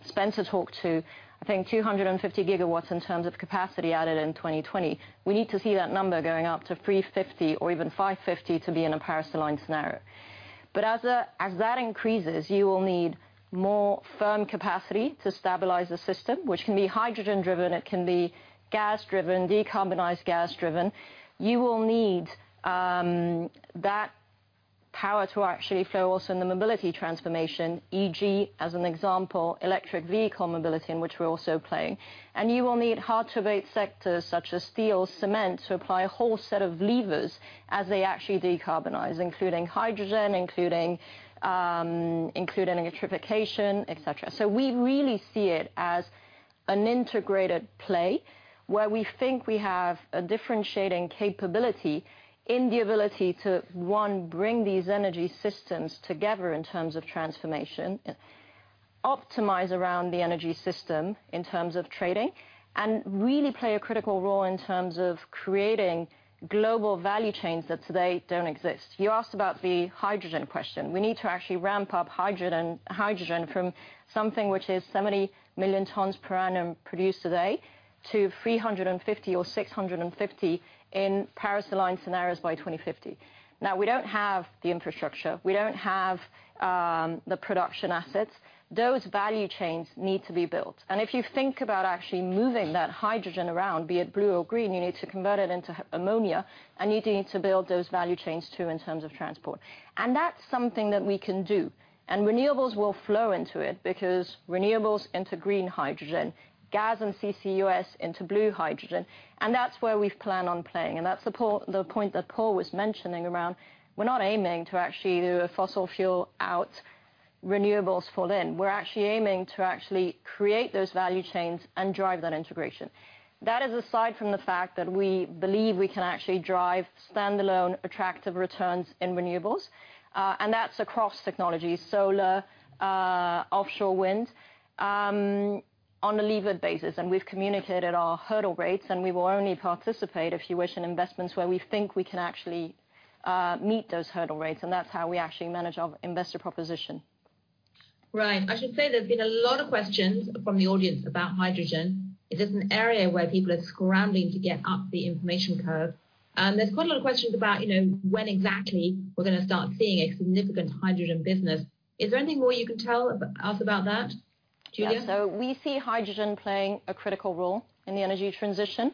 Spencer talked to, I think 250 GW in terms of capacity added in 2020. We need to see that number going up to 350 or even 550 to be in a Paris-aligned scenario. As that increases, you will need more firm capacity to stabilize the system, which can be hydrogen-driven, it can be gas-driven, decarbonized gas-driven. You will need that power to actually flow also in the mobility transformation, e.g., as an example, electric vehicle mobility in which we're also playing. You will need hard-to-abate sectors such as steel, cement to apply a whole set of levers as they actually decarbonize, including hydrogen, including electrification, et cetera. We really see it as an integrated play where we think we have a differentiating capability in the ability to, one, bring these energy systems together in terms of transformation, optimize around the energy system in terms of trading, and really play a critical role in terms of creating global value chains that today don't exist. You asked about the hydrogen question. We need to actually ramp up hydrogen from something which is 70 million tons per annum produced today to 350 or 650 in Paris-aligned scenarios by 2050. We don't have the infrastructure, we don't have the production assets. Those value chains need to be built. If you think about actually moving that hydrogen around, be it blue or green, you need to convert it into ammonia, and you need to build those value chains, too, in terms of transport. That's something that we can do. Renewables will flow into it because renewables into green hydrogen, gas and CCUS into blue hydrogen, and that's where we plan on playing. That's the point that Paul was mentioning around we're not aiming to actually fossil fuel out renewables fall in. We're actually aiming to actually create those value chains and drive that integration. That is aside from the fact that we believe we can actually drive standalone attractive returns in renewables, and that's across technologies, solar, offshore wind, on a levered basis. We've communicated our hurdle rates, and we will only participate, if you wish, in investments where we think we can actually meet those hurdle rates. That's how we actually manage our investor proposition. Right. I should say there's been a lot of questions from the audience about hydrogen. It is an area where people are scrambling to get up the information curve. There's quite a lot of questions about when exactly we're going to start seeing a significant hydrogen business. Is there any more you can tell us about that, Giulia? Yeah. We see hydrogen playing a critical role in the energy transition.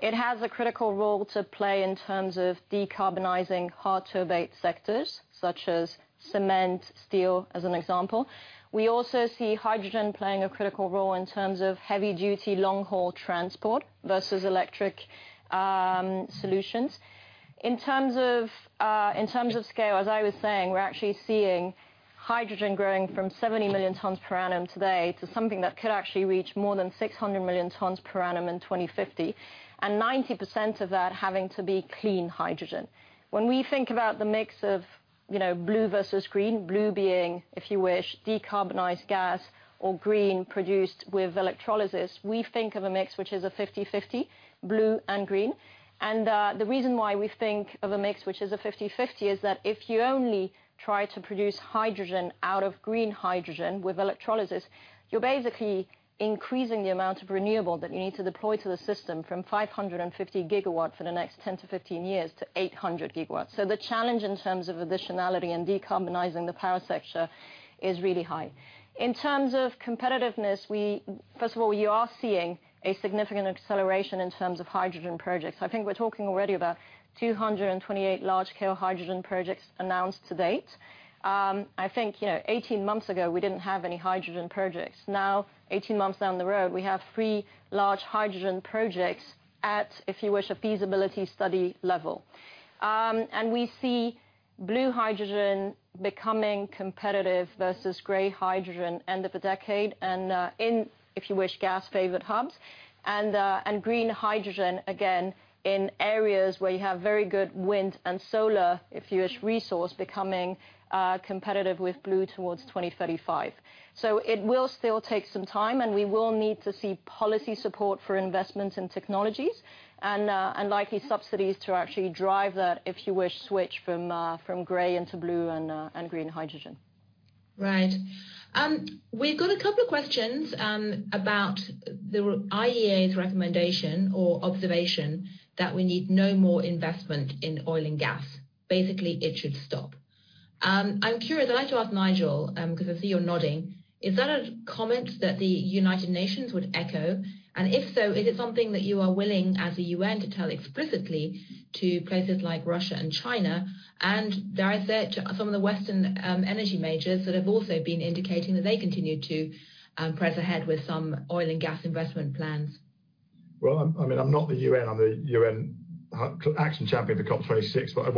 It has a critical role to play in terms of decarbonizing hard-to-abate sectors, such as cement, steel, as an example. We also see hydrogen playing a critical role in terms of heavy-duty long-haul transport versus electric solutions. In terms of scale, as I was saying, we're actually seeing hydrogen growing from 70 million tons per annum today to something that could actually reach more than 600 million tons per annum in 2050, and 90% of that having to be clean hydrogen. When we think about the mix of blue versus green, blue being, if you wish, decarbonized gas or green produced with electrolysis, we think of a mix which is a 50/50, blue and green. The reason why we think of a mix which is a 50/50 is that if you only try to produce hydrogen out of green hydrogen with electrolysis, you're basically increasing the amount of renewable that you need to deploy to the system from 550 GW in the next 10 to 15 years to 800 GW. The challenge in terms of additionality and decarbonizing the power sector is really high. In terms of competitiveness, first of all, you are seeing a significant acceleration in terms of hydrogen projects. I think we're talking already about 228 large-scale hydrogen projects announced to date. I think 18 months ago, we didn't have any hydrogen projects. Now, 18 months down the road, we have three large hydrogen projects at, if you wish, a feasibility study level. We see blue hydrogen becoming competitive versus grey hydrogen end of the decade, and in, if you wish, gas-favored hubs, and green hydrogen, again, in areas where you have very good wind and solar, if you wish, resource becoming competitive with blue towards 2035. It will still take some time, and we will need to see policy support for investments in technologies and likely subsidies to actually drive that, if you wish, switch from grey into blue and green hydrogen. Right. We got a couple questions about the IEA's recommendation or observation that we need no more investment in oil and gas. Basically, it should stop. I'm curious, I'd like to ask Nigel, because I see you nodding. Is that a comment that the United Nations would echo? If so, is it something that you are willing, as the UN, to tell explicitly to places like Russia and China, and dare I say, some of the Western energy majors that have also been indicating that they continue to press ahead with some oil and gas investment plans? I'm not the UN. I'm the UN action champion for COP 26. I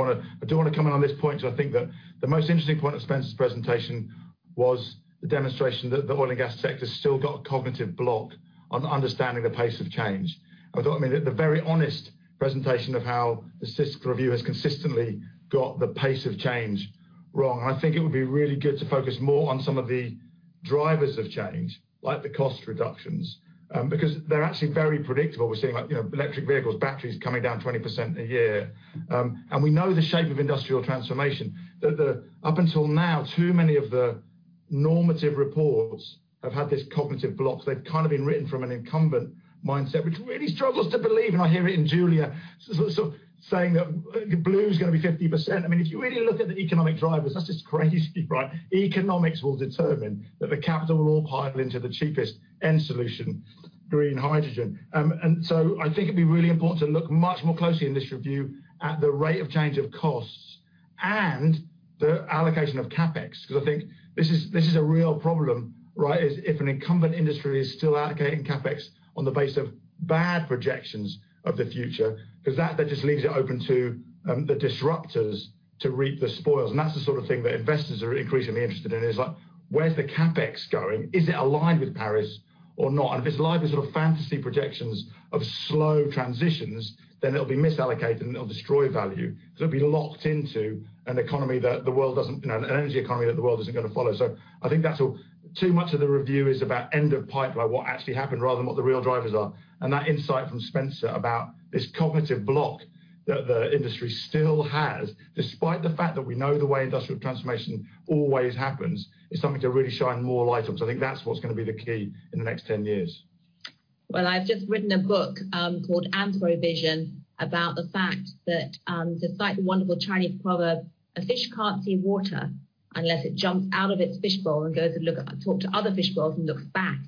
do want to come in on this point because I think that the most interesting point of Spencer's presentation was the demonstration that the oil and gas sector has still got a cognitive block on understanding the pace of change. I thought the very honest presentation of how the BP Stats Review has consistently got the pace of change wrong, and I think it would be really good to focus more on some of the drivers of change, like the cost reductions, because they're actually very predictable. We're seeing electric vehicles, batteries coming down 20% a year. We know the shape of industrial transformation. That up until now, too many of the normative reports have had this cognitive block. They've kind of been written from an incumbent mindset, which really struggles to believe, and I hear even Giulia Chierchia saying that blue is going to be 50%. If you really look at the economic drivers, that's just crazy. Economics will determine that the capital will all pile into the cheapest end solution, green hydrogen. I think it'd be really important to look much more closely in this review at the rate of change of costs and the allocation of CapEx, because I think this is a real problem. If an incumbent industry is still allocating CapEx on the base of bad projections of the future, because that just leaves it open to the disruptors to reap the spoils. That's the sort of thing that investors are increasingly interested in. It's like, where's the CapEx going? Is it aligned with Paris, or not? If it's like these sort of fantasy projections of slow transitions, then they'll be misallocated, and they'll destroy value. It'll be locked into an energy economy that the world isn't going to follow. I think that's all. Too much of the review is about end of pipeline, what actually happened rather than what the real drivers are. That insight from Spencer about this cognitive block that the industry still has, despite the fact that we know the way industrial transformation always happens, is something to really shine more light on. I think that's what's going to be the key in the next 10 years. Well, I've just written a book called "Anthro-Vision" about the fact that, despite the wonderful Chinese proverb, a fish can't see water unless it jumps out of its fishbowl and goes and looks and talks to other fishbowls and looks back.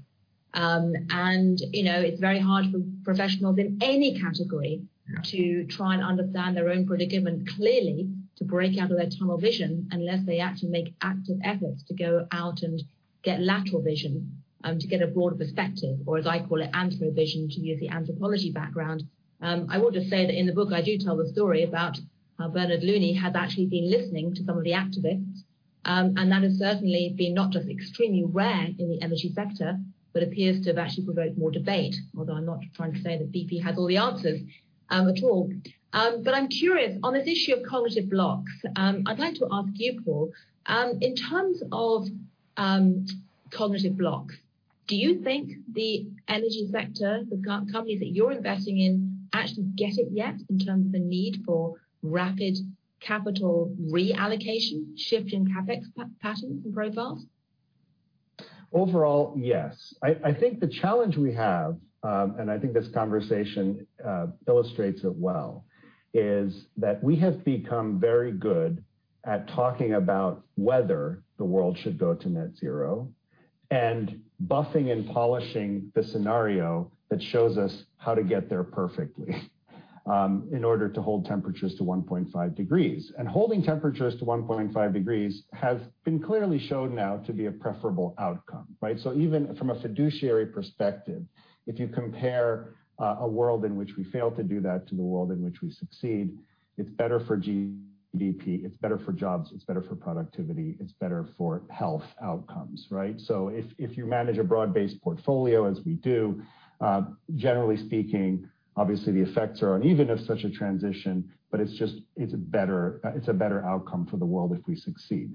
It's very hard for professionals in any category to try and understand their own predicament clearly to break out of their tunnel vision, unless they actually make active efforts to go out and get lateral vision and to get a broader perspective, or as I call it, Anthro-Vision, to use the anthropology background. I will just say that in the book, I do tell the story about how Bernard Looney had actually been listening to some of the activists, and that has certainly been not just extremely rare in the energy sector, but appears to have actually provoked more debate, although I'm not trying to say that BP has all the answers at all. I'm curious, on this issue of cognitive blocks, I'd like to ask you, Paul, in terms of cognitive blocks, do you think the energy sector, the companies that you're investing in, actually get it yet in terms of the need for rapid capital reallocation, shifting CapEx patterns and profiles? Overall, yes. I think the challenge we have, and I think this conversation illustrates it well, is that we have become very good at talking about whether the world should go to net zero and buffing and polishing the scenario that shows us how to get there perfectly in order to hold temperatures to 1.5 degrees. Holding temperatures to 1.5 degrees has been clearly shown now to be a preferable outcome, right? Even from a fiduciary perspective, if you compare a world in which we fail to do that to the world in which we succeed, it's better for GDP, it's better for jobs, it's better for productivity, it's better for health outcomes, right? Generally speaking, obviously the effects are uneven of such a transition, but it's a better outcome for the world if we succeed.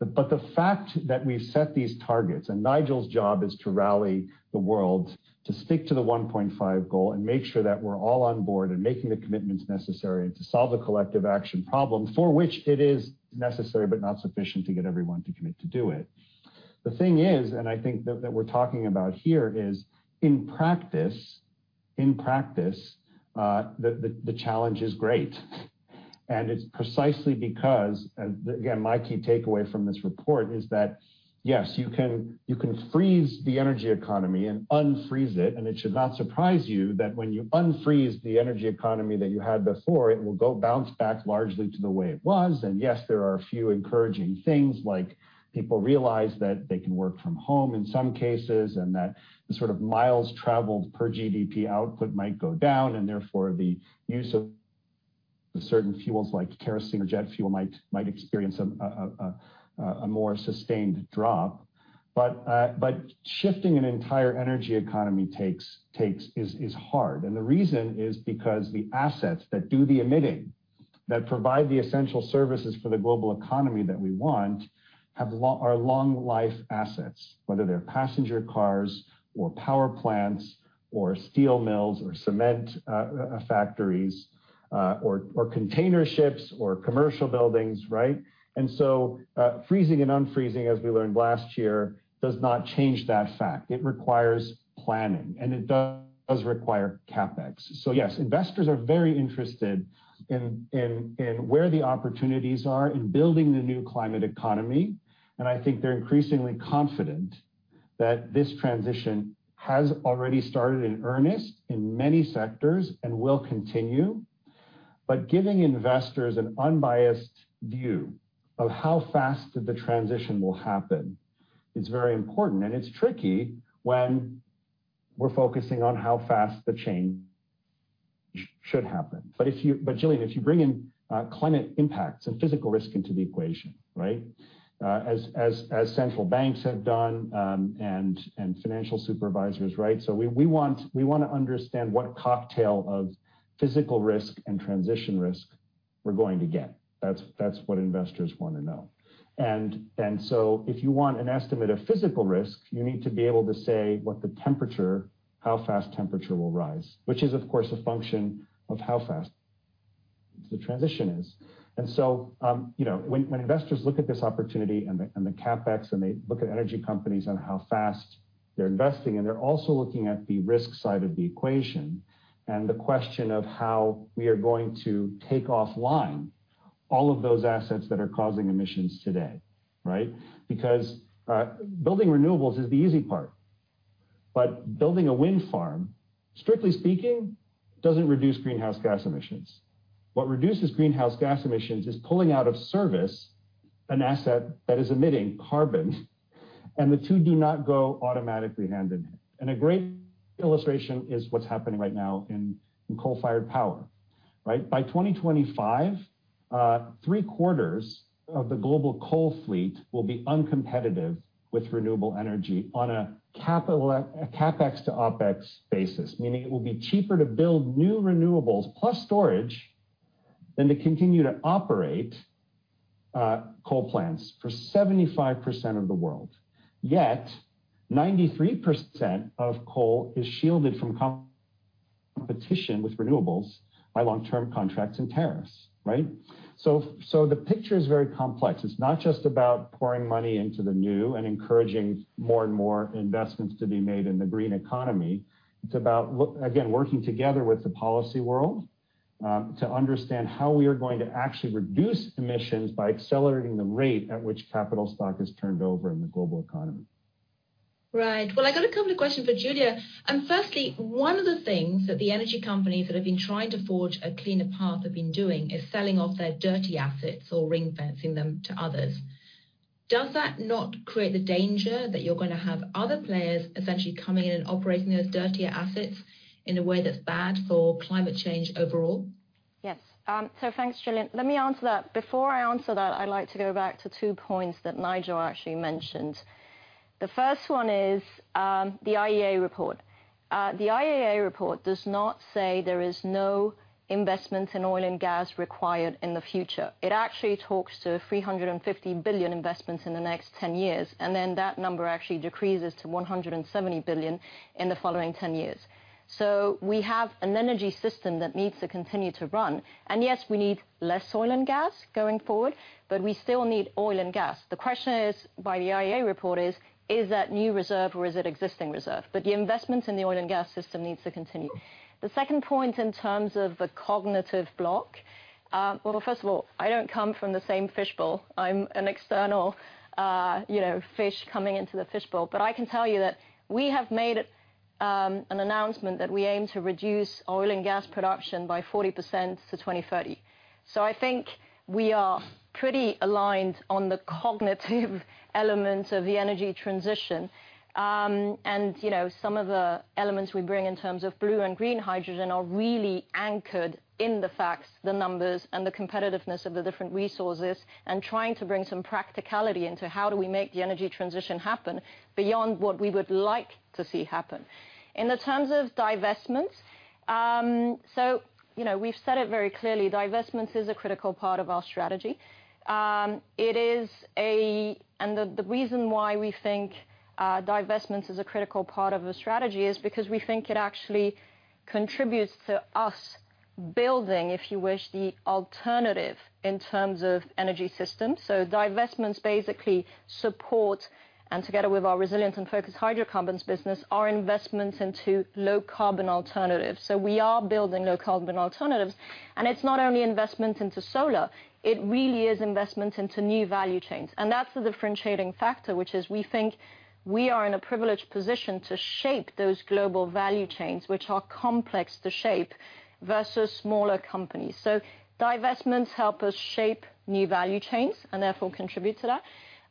The fact that we set these targets, and Nigel's job is to rally the world to stick to the 1.5 goal and make sure that we're all on board and making the commitments necessary to solve the collective action problem for which it is necessary but not sufficient to get everyone to commit to do it. The thing is, and I think that what we're talking about here is in practice, the challenge is great. It's precisely because, and again, my key takeaway from this report is that, yes, you can freeze the energy economy and unfreeze it, and it should not surprise you that when you unfreeze the energy economy that you had before, it will bounce back largely to the way it was. Yes, there are a few encouraging things like people realize that they can work from home in some cases, and that the sort of miles traveled per GDP output might go down, and therefore the use of certain fuels like kerosene or jet fuel might experience a more sustained drop. Shifting an entire energy economy is hard. The reason is because the assets that do the emitting, that provide the essential services for the global economy that we want, are long-life assets, whether they're passenger cars or power plants or steel mills or cement factories or container ships or commercial buildings, right? So, freezing and unfreezing, as we learned last year, does not change that fact. It requires planning, and it does require CapEx. Yes, investors are very interested in where the opportunities are in building the new climate economy, and I think they're increasingly confident that this transition has already started in earnest in many sectors and will continue. Giving investors an unbiased view of how fast the transition will happen is very important, and it's tricky when we're focusing on how fast the change should happen. Gillian, if you bring in climate impacts and physical risk into the equation, right? As central banks have done, and financial supervisors, right? We want to understand what cocktail of physical risk and transition risk we're going to get. That's what investors want to know. If you want an estimate of physical risk, you need to be able to say how fast temperature will rise, which is, of course, a function of how fast the transition is. When investors look at this opportunity and the CapEx, and they look at energy companies and how fast they're investing, and they're also looking at the risk side of the equation and the question of how we are going to take offline all of those assets that are causing emissions today, right? Because building renewables is the easy part. Building a wind farm, strictly speaking, doesn't reduce greenhouse gas emissions. What reduces greenhouse gas emissions is pulling out of service an asset that is emitting carbon, and the two do not go automatically hand in hand. A great illustration is what's happening right now in coal-fired power. Right. By 2025, three-quarters of the global coal fleet will be uncompetitive with renewable energy on a CapEx to OpEx basis, meaning it will be cheaper to build new renewables plus storage than to continue to operate coal plants for 75% of the world. 93% of coal is shielded from competition with renewables by long-term contracts and tariffs. Right? The picture is very complex. It's not just about pouring money into the new and encouraging more and more investments to be made in the green economy. It's about, again, working together with the policy world, to understand how we are going to actually reduce emissions by accelerating the rate at which capital stock is turned over in the global economy. Right. Well, I got a couple of questions for Giulia. Firstly, one of the things that the energy companies that have been trying to forge a cleaner path have been doing is selling off their dirty assets or ring-fencing them to others. Does that not create the danger that you're going to have other players essentially coming in and operating those dirtier assets in a way that's bad for climate change overall? Yes. Thanks, Gillian. Let me answer that. Before I answer that, I'd like to go back to two points that Nigel actually mentioned. The first one is the IEA report. The IEA report does not say there is no investment in oil and gas required in the future. It actually talks to $350 billion investments in the next 10 years, and then that number actually decreases to $170 billion in the following 10 years. We have an energy system that needs to continue to run, and yes, we need less oil and gas going forward, but we still need oil and gas. The question is, by the IEA report is that new reserve or is it existing reserve? The investments in the oil and gas system needs to continue. The second point in terms of the cognitive block, well, first of all, I don't come from the same fishbowl. I'm an external fish coming into the fishbowl. I can tell you that we have made an announcement that we aim to reduce oil and gas production by 40% to 2030. I think we are pretty aligned on the cognitive elements of the energy transition. Some of the elements we bring in terms of blue and green hydrogen are really anchored in the facts, the numbers, and the competitiveness of the different resources and trying to bring some practicality into how do we make the energy transition happen beyond what we would like to see happen. In the terms of divestments, we've said it very clearly, divestments is a critical part of our strategy. The reason why we think divestments is a critical part of the strategy is because we think it actually contributes to us building, if you wish, the alternative in terms of energy systems. Divestments basically support and together with our resilient and focused hydrocarbons business, our investments into low carbon alternatives. We are building low carbon alternatives, and it's not only investments into solar, it really is investments into new value chains. That's the differentiating factor, which is we think we are in a privileged position to shape those global value chains, which are complex to shape versus smaller companies. Divestments help us shape new value chains and therefore contribute to that.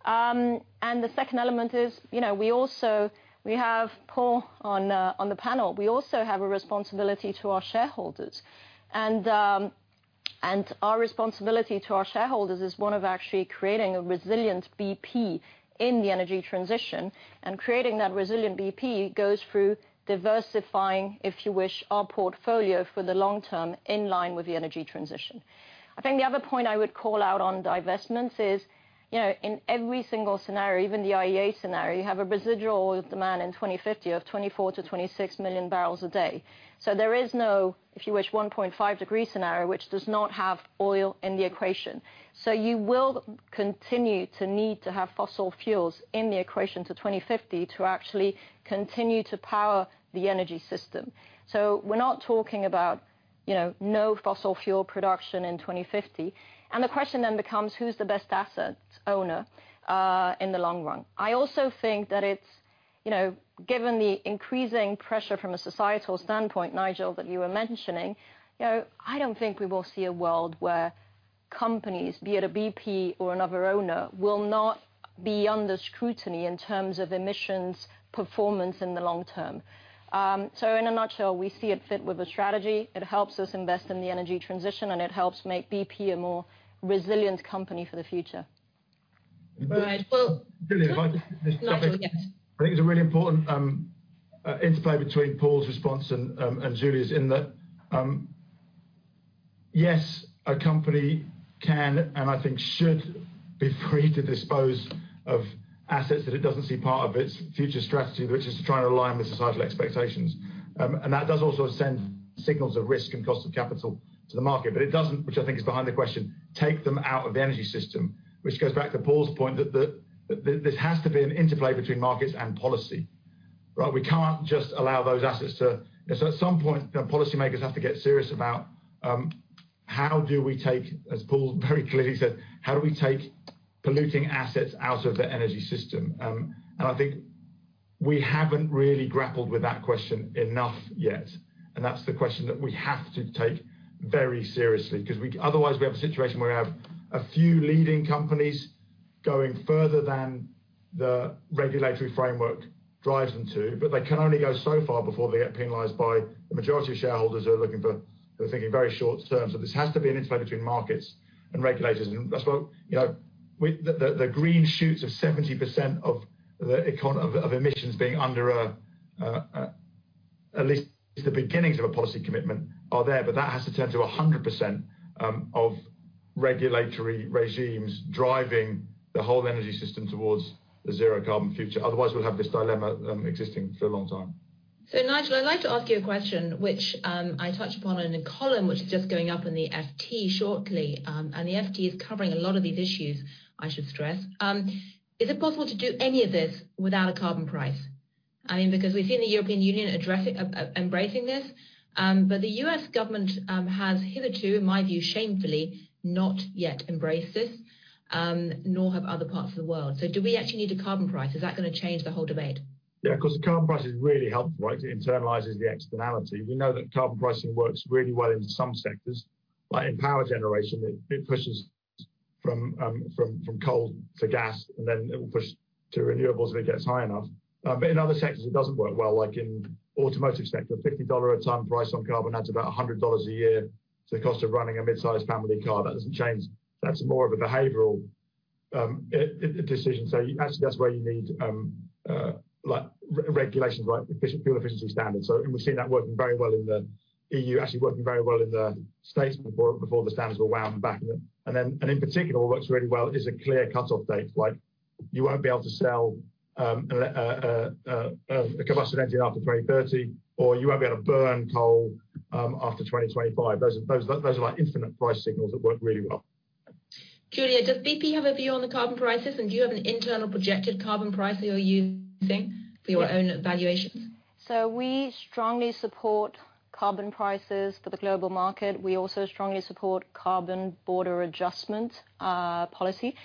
The second element is, we have Paul on the panel. We also have a responsibility to our shareholders. Our responsibility to our shareholders is one of actually creating a resilient BP in the energy transition. Creating that resilient BP goes through diversifying, if you wish, our portfolio for the long term in line with the energy transition. I think the other point I would call out on divestments is, in every single scenario, even the IEA scenario, you have a residual demand in 2050 of 24 million to 26 million barrels a day. There is no, if you wish, 1.5-degree scenario, which does not have oil in the equation. You will continue to need to have fossil fuels in the equation to 2050 to actually continue to power the energy system. We're not talking about no fossil fuel production in 2050. The question then becomes who's the best asset owner in the long run? I also think that it's given the increasing pressure from a societal standpoint, Nigel, that you were mentioning, I don't think we will see a world where companies, be it a BP or another owner, will not be under scrutiny in terms of emissions performance in the long term. In a nutshell, we see it fit with the strategy. It helps us invest in the energy transition, and it helps make BP a more resilient company for the future. Right. Gillian, if I could. Nigel, yes. I think it's a really important interplay between Paul's response and Giulia's in that, yes, a company can, and I think should be free to dispose of assets that it doesn't see part of its future strategy, which is to try to align with societal expectations. That does also send signals of risk and cost of capital to the market. It doesn't, which I think is behind the question, take them out of the energy system, which goes back to Paul's point that this has to be an interplay between markets and policy, right? At some point, policymakers have to get serious about how do we take, as Paul very clearly said, how do we take polluting assets out of the energy system? I think we haven't really grappled with that question enough yet. That's the question that we have to take very seriously because otherwise, we have a situation where we have a few leading companies going further than the regulatory framework drives them to, but they can go only so far before they get penalized by the majority of shareholders who are looking for, who are thinking very short-term. This has to be an interplay between markets and regulators. That's why the green shoots of 70% of emissions being under at least the beginnings of a policy commitment are there, but that has to turn to 100% of regulatory regimes driving the whole energy system towards the zero carbon future. Otherwise, we'll have this dilemma existing for a long time. Nigel, I'd like to ask you a question, which I touch upon in a column which is just going up in "The FT" shortly. "The FT" is covering a lot of these issues, I should stress. Is it possible to do any of this without a carbon price? We've seen the European Union embracing this, but the U.S. government has hitherto, in my view, shamefully, not yet embraced this, nor have other parts of the world. Do we actually need a carbon price? Is that going to change the whole debate? Yeah, because the carbon price has really helped, right? It internalizes the externality. We know that carbon pricing works really well in some sectors, like in power generation, it pushes from coal to gas, and then it will push to renewables if it gets high enough. In other sectors, it doesn't work well, like in automotive sector, $50 a ton price on carbon, that's about $100 a year. The cost of running a mid-size family car, that doesn't change. That's more of a behavioral decision. Actually, that's where you need regulation, right, fuel efficiency standards. We've seen that working very well in the EU, actually working very well in the U.S. before the standards were wound back. In particular, what works really well is a clear cut-off date, like you won't be able to sell a combustion engine after 2030, or you won't be able to burn coal after 2025. Those are like infinite price signals that work really well. Giulia, does BP have a view on the carbon prices? Do you have an internal projected carbon price that you're using for your own evaluations? We strongly support carbon prices for the global market. We also strongly support carbon border adjustment policy.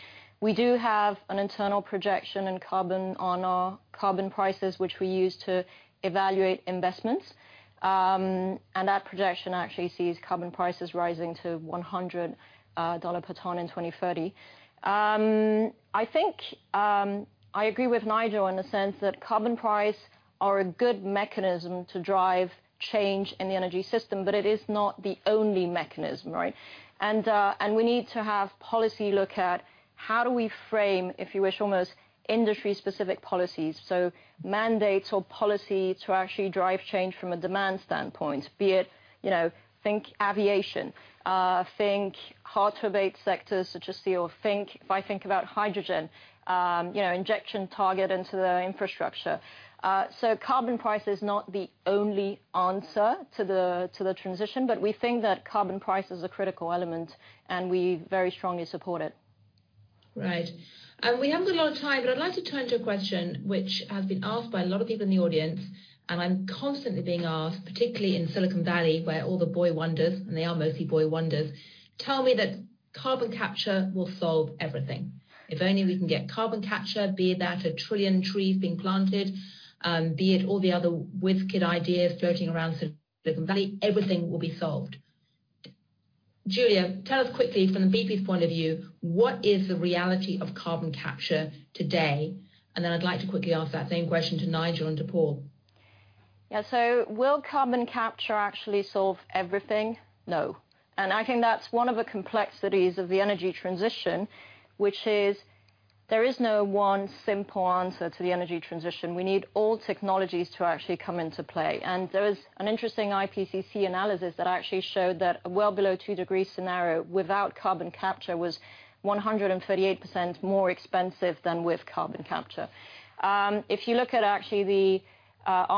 We do have an internal projection on our carbon prices, which we use to evaluate investments. That projection actually sees carbon prices rising to $100 per ton in 2030. I think I agree with Nigel in the sense that carbon price are a good mechanism to drive change in the energy system, but it is not the only mechanism, right? We need to have policy look at how do we frame, if you wish, almost industry-specific policies. Mandates or policy to actually drive change from a demand standpoint, be it, think aviation, think hard-to-abate sectors such as steel, if I think about hydrogen, injection target into the infrastructure. Carbon price is not the only answer to the transition, but we think that carbon price is a critical element, and we very strongly support it. Right. We haven't got a lot of time, but I'd like to turn to a question which has been asked by a lot of people in the audience, and I'm constantly being asked, particularly in Silicon Valley, where all the boy wonders, and they are mostly boy wonders, tell me that carbon capture will solve everything. If only we can get carbon capture, be it that a trillion trees being planted, be it all the other whiz kid ideas floating around Silicon Valley, everything will be solved. Giulia, tell us quickly from the BP point of view, what is the reality of carbon capture today? Then I'd like to quickly ask that same question to Nigel and to Paul. Yeah, will carbon capture actually solve everything? No. I think that's one of the complexities of the energy transition, which is there is no one simple answer to the energy transition. We need all technologies to actually come into play. There was an interesting IPCC analysis that actually showed that a well below two-degree scenario without carbon capture was 138% more expensive than with carbon capture. If you look at actually the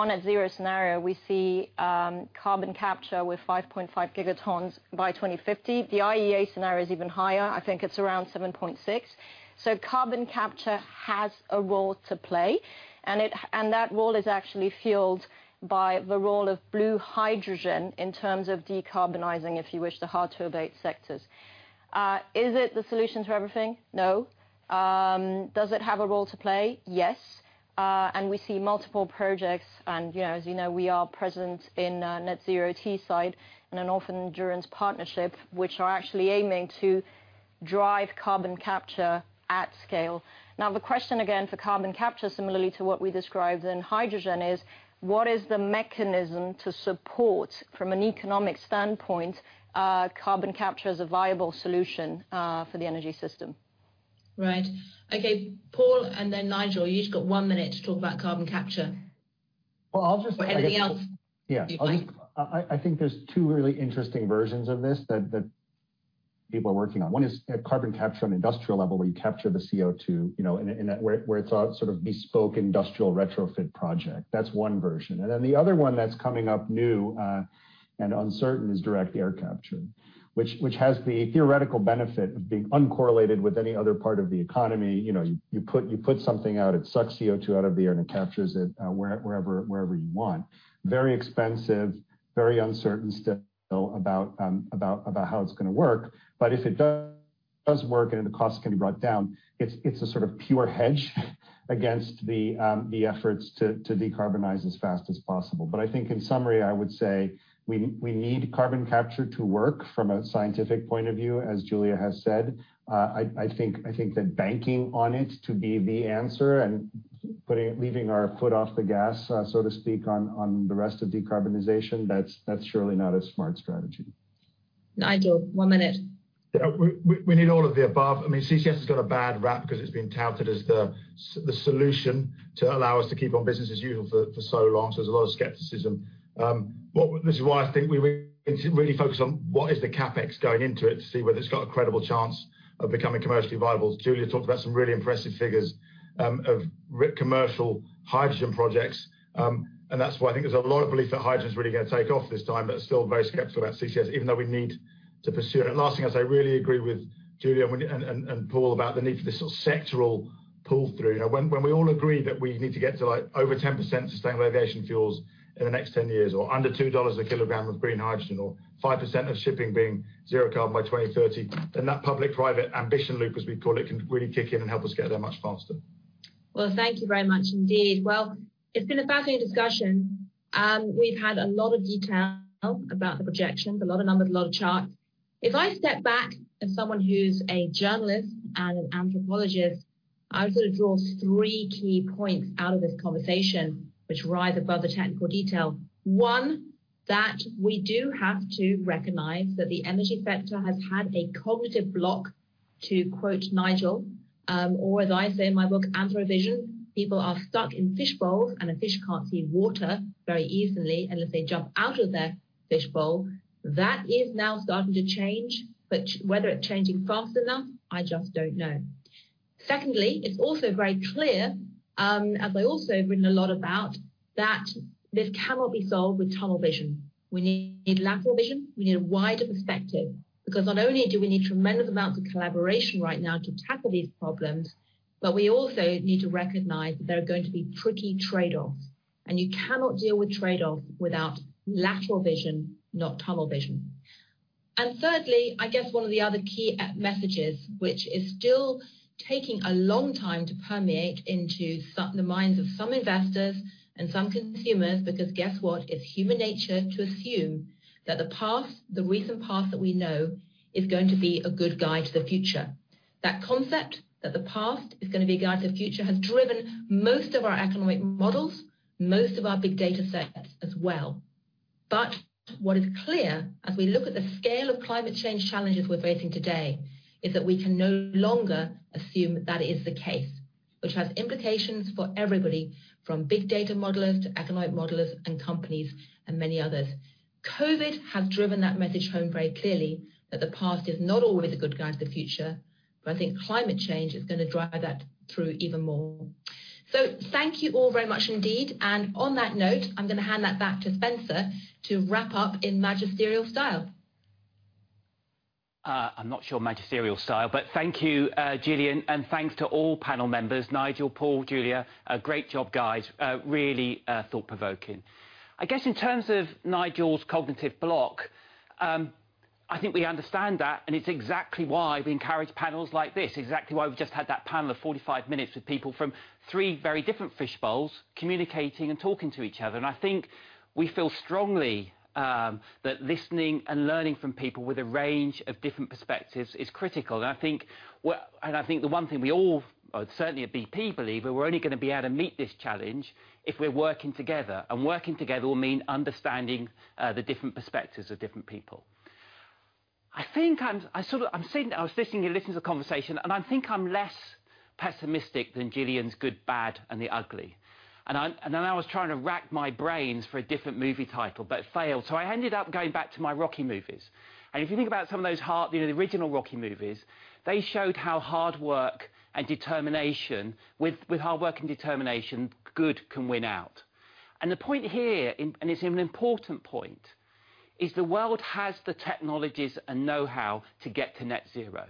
net zero scenario, we see carbon capture with 5.5 gigatons by 2050. The IEA scenario is even higher. I think it's around 7.6. Carbon capture has a role to play, and that role is actually fueled by the role of blue hydrogen in terms of decarbonizing, if you wish, the hard-to-abate sectors. Is it the solution to everything? No. Does it have a role to play? Yes. We see multiple projects, and as you know, we are present in Net Zero Teesside and Northern Endurance Partnership, which are actually aiming to drive carbon capture at scale. Now, the question again for carbon capture, similarly to what we described in hydrogen is, what is the mechanism to support from an economic standpoint, carbon capture as a viable solution for the energy system. Right. Okay, Paul and then Nigel, you just got one minute to talk about carbon capture. Well, I'll just- Anything else. Yeah. You'd like. I think there's two really interesting versions of this that people are working on. One is carbon capture on an industrial level, where you capture the CO2, where it's a sort of bespoke industrial retrofit project. That's one version. The other one that's coming up new and uncertain is direct air capture, which has the theoretical benefit of being uncorrelated with any other part of the economy. You put something out, it sucks CO2 out of the air, and it captures it wherever you want. Very expensive, very uncertain still about how it's going to work. If it does work and the cost can be brought down, it's a sort of pure hedge against the efforts to decarbonize as fast as possible. I think in summary, I would say we need carbon capture to work from a scientific point of view, as Giulia has said. I think that banking on it to be the answer and leaving our foot off the gas, so to speak, on the rest of decarbonization, that's surely not a smart strategy. Nigel, one minute. We need all of the above. CCS has got a bad rap because it's been touted as the solution to allow us to keep on business as usual for so long. There's a lot of skepticism. This is why I think we need to really focus on what is the CapEx going into it to see whether it's got a credible chance of becoming commercially viable. Giulia talked about some really impressive figures of commercial hydrogen projects. That's why I think there's a lot of belief that hydrogen's really going to take off this time, but still very skeptical about CCS, even though we need to pursue it. Last thing I'd say, I really agree with Giulia and Paul about the need for this sort of sectoral pull-through. When we all agree that we need to get to over 10% sustainable aviation fuels in the next 10 years, or under $2 a kilogram of green hydrogen, or 5% of shipping being zero carbon by 2030, then that public-private ambition loop, as we call it, can really kick in and help us get there much faster. Thank you very much indeed. It's been a fascinating discussion. We've had a lot of detail about the projections, a lot of numbers, a lot of charts. If I step back as someone who's a journalist and an anthropologist, I would sort of draw three key points out of this conversation, which rise above the technical detail. One, that we do have to recognize that the energy sector has had a cognitive block, to quote Nigel. As I say in my book, "Anthro-Vision," people are stuck in fishbowls, and a fish can't see water very easily unless they jump out of their fishbowl. That is now starting to change, but whether it's changing fast enough, I just don't know. Secondly, it's also very clear, as I also have written a lot about, that this cannot be solved with tunnel vision. We need lateral vision. We need a wider perspective. Not only do we need tremendous amounts of collaboration right now to tackle these problems, but we also need to recognize that there are going to be tricky trade-offs. You cannot deal with trade-offs without lateral vision, not tunnel vision. Thirdly, I guess one of the other key messages, which is still taking a long time to permeate into the minds of some investors and some consumers, because guess what. It's human nature to assume that the recent path that we know is going to be a good guide to the future. That concept that the past is going to be a guide to the future has driven most of our economic models, most of our big data sets as well. What is clear as we look at the scale of climate change challenges we're facing today, is that we can no longer assume that is the case, which has implications for everybody from big data modelers to economic modelers and companies and many others. COVID has driven that message home very clearly that the past is not always a good guide to the future, I think climate change is going to drive that through even more. Thank you all very much indeed. On that note, I'm going to hand that back to Spencer to wrap up in magisterial style. I'm not sure magisterial style, but thank you, Gillian, and thanks to all panel members, Nigel, Paul, Giulia. Great job, guys. Really thought-provoking. I guess in terms of Nigel's cognitive block, I think we understand that, and it's exactly why we encourage panels like this. Exactly why we've just had that panel of 45 minutes with people from three very different fishbowls communicating and talking to each other. I think we feel strongly that listening and learning from people with a range of different perspectives is critical. I think the one thing we all, certainly at BP, believe, are we're only going to be able to meet this challenge if we're working together. Working together will mean understanding the different perspectives of different people. I was listening to the conversation, and I think I'm less pessimistic than Gillian's good, bad, and the ugly. Then I was trying to rack my brains for a different movie title, but failed. I ended up going back to my Rocky movies. If you think about some of those original Rocky movies, they showed with hard work and determination, good can win out. The point here, and it's an important point, is the world has the technologies and know-how to get to net zero.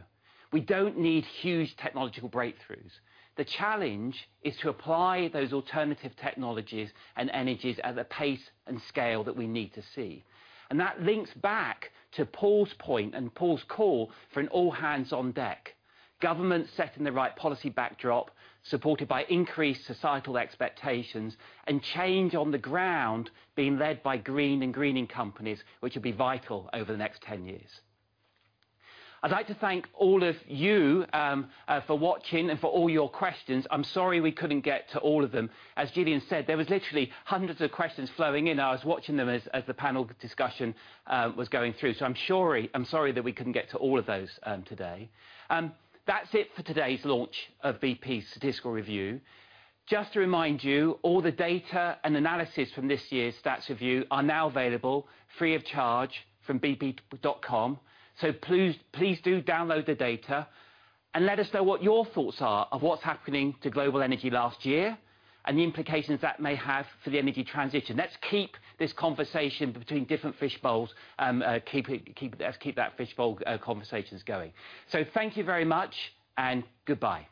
We don't need huge technological breakthroughs. The challenge is to apply those alternative technologies and energies at the pace and scale that we need to see. That links back to Paul's point and Paul's call for an all hands on deck. Government setting the right policy backdrop, supported by increased societal expectations, and change on the ground being led by green and greening companies, which will be vital over the next 10 years. I'd like to thank all of you for watching and for all your questions. I'm sorry we couldn't get to all of them. As Gillian said, there was literally hundreds of questions flowing in. I was watching them as the panel discussion was going through. I'm sorry that we couldn't get to all of those today. That's it for today's launch of BP's Statistical Review. Just to remind you, all the data and analysis from this year's BP Stats Review are now available free of charge from bp.com. Please do download the data and let us know what your thoughts are of what's happening to global energy last year and the implications that may have for the energy transition. Let's keep this conversation between different fishbowls, let's keep that fishbowl conversations going. Thank you very much and goodbye.